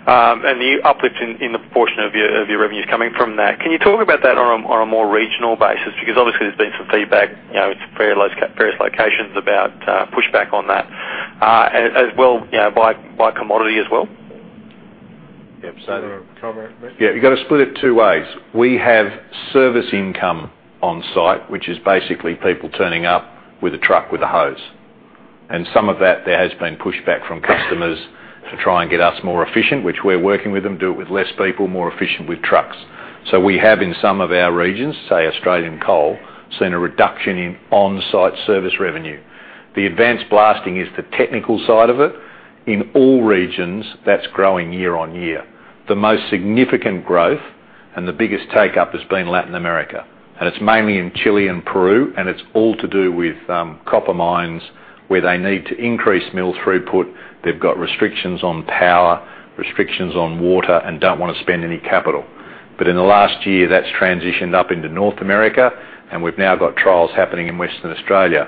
and the uplift in the portion of your revenues coming from that, can you talk about that on a more regional basis? Because obviously there's been some feedback, it's various locations about pushback on that, as well, by commodity as well. Yep. Do you want to cover it, Matt? Yeah, you've got to split it two ways. We have service income on site, which is basically people turning up with a truck with a hose. Some of that there has been pushback from customers to try and get us more efficient, which we're working with them, do it with less people, more efficient with trucks. We have in some of our regions, say, Australian coal, seen a reduction in on-site service revenue. The advanced blasting is the technical side of it. In all regions, that's growing year-on-year. The most significant growth and the biggest take-up has been Latin America. It's mainly in Chile and Peru, and it's all to do with copper mines where they need to increase mill throughput. They've got restrictions on power, restrictions on water, and don't want to spend any capital. In the last year, that's transitioned up into North America, and we've now got trials happening in Western Australia.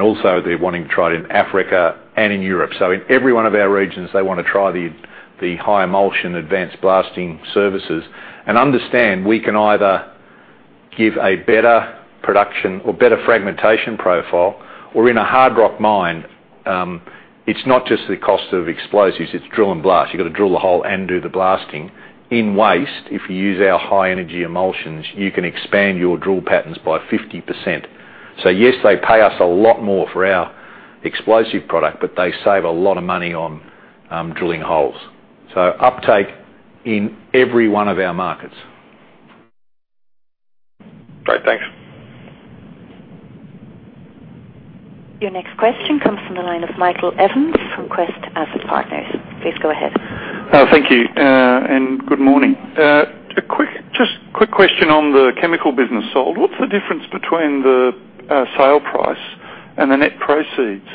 Also, they're wanting to try it in Africa and in Europe. In every one of our regions, they want to try the high emulsion advanced blasting services. Understand, we can either give a better production or better fragmentation profile. In a hard rock mine, it's not just the cost of explosives, it's drill and blast. You've got to drill a hole and do the blasting. In waste, if you use our high energy emulsions, you can expand your drill patterns by 50%. Yes, they pay us a lot more for our explosive product, but they save a lot of money on drilling holes. Uptake in every one of our markets. Great. Thanks. Your next question comes from the line of Michael Evans from Quest Asset Partners. Please go ahead. Thank you, and good morning. Just a quick question on the chemical business sold. What is the difference between the sale price and the net proceeds?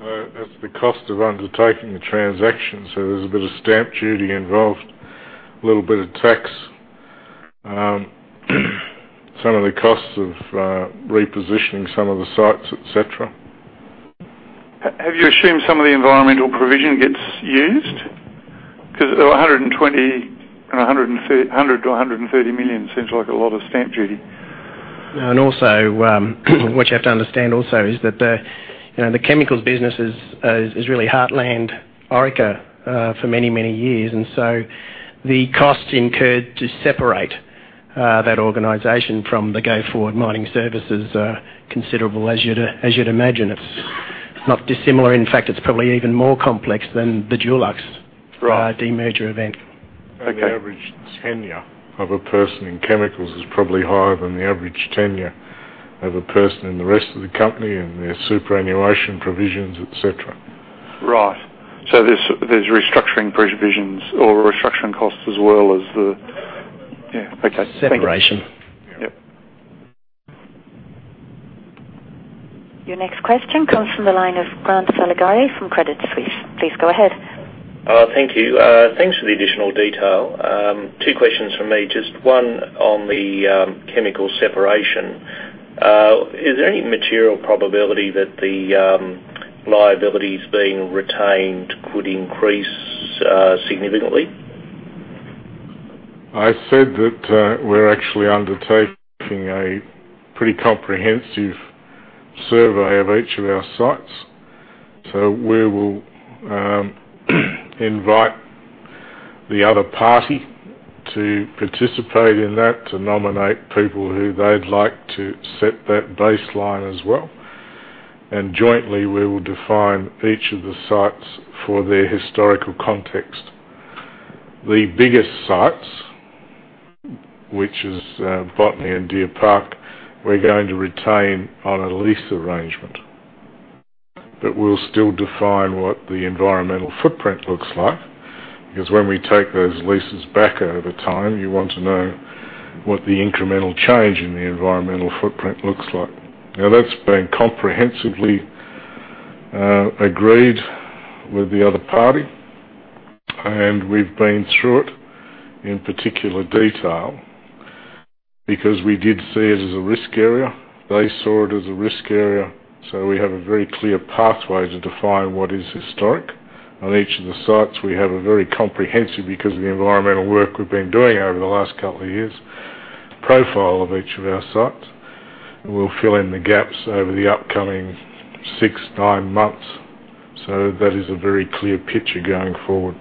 That is the cost of undertaking the transaction. There is a bit of stamp duty involved, a little bit of tax, some of the costs of repositioning some of the sites, et cetera. Have you assumed some of the environmental provision gets used? 120 and 100 million-130 million seems like a lot of stamp duty. What you have to understand also is that the chemicals business is really heartland Orica for many, many years. The cost incurred to separate that organization from the go-forward mining services are considerable, as you would imagine. It is not dissimilar. In fact, it is probably even more complex than the DuluxGroup Right demerger event. The average tenure of a person in chemicals is probably higher than the average tenure of a person in the rest of the company and their superannuation provisions, et cetera. Right. There's restructuring provisions or restructuring costs as well as the Yeah. Okay. Thank you. Separation. Yep. Yep. Your next question comes from the line of Grant Saligari from Credit Suisse. Please go ahead. Thank you. Thanks for the additional detail. Two questions from me. Just one on the chemical separation. Is there any material probability that the liabilities being retained could increase significantly? I said that we're actually undertaking a pretty comprehensive survey of each of our sites. We will invite the other party to participate in that, to nominate people who they'd like to set that baseline as well. Jointly, we will define each of the sites for their historical context. The biggest sites, which is Botany and Deer Park, we're going to retain on a lease arrangement. We'll still define what the environmental footprint looks like, because when we take those leases back over time, you want to know what the incremental change in the environmental footprint looks like. That's been comprehensively agreed with the other party, and we've been through it in particular detail because we did see it as a risk area. They saw it as a risk area. We have a very clear pathway to define what is historic. On each of the sites, we have a very comprehensive, because of the environmental work we've been doing over the last couple of years, profile of each of our sites. We'll fill in the gaps over the upcoming six, nine months. That is a very clear picture going forward.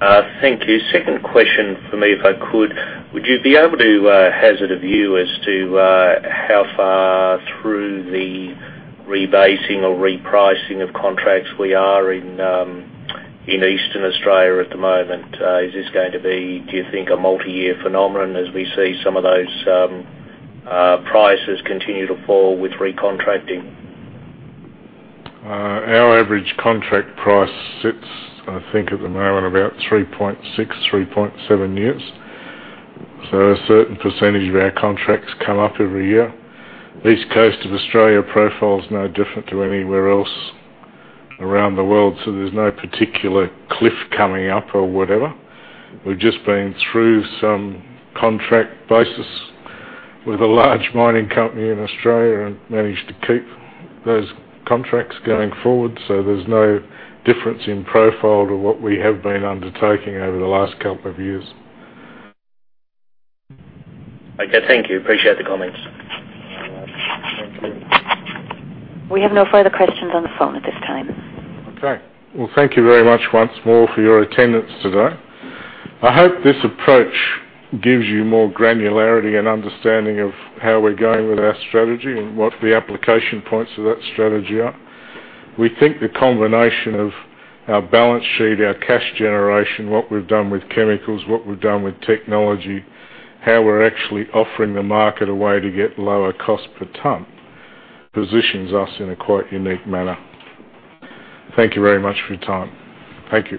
Thank you. Second question from me, if I could. Would you be able to hazard a view as to how far through the rebasing or repricing of contracts we are in Eastern Australia at the moment? Is this going to be, do you think, a multi-year phenomenon as we see some of those prices continue to fall with recontracting? Our average contract price sits, I think at the moment, about 3.6, 3.7 years. A certain percentage of our contracts come up every year. East Coast of Australia profile is no different to anywhere else around the world, there's no particular cliff coming up or whatever. We've just been through some contract basis with a large mining company in Australia and managed to keep those contracts going forward. There's no difference in profile to what we have been undertaking over the last couple of years. Okay, thank you. Appreciate the comments. All right. Thank you. We have no further questions on the phone at this time. Okay. Well, thank you very much once more for your attendance today. I hope this approach gives you more granularity and understanding of how we're going with our strategy and what the application points of that strategy are. We think the combination of our balance sheet, our cash generation, what we've done with chemicals, what we've done with technology, how we're actually offering the market a way to get lower cost per ton, positions us in a quite unique manner. Thank you very much for your time. Thank you.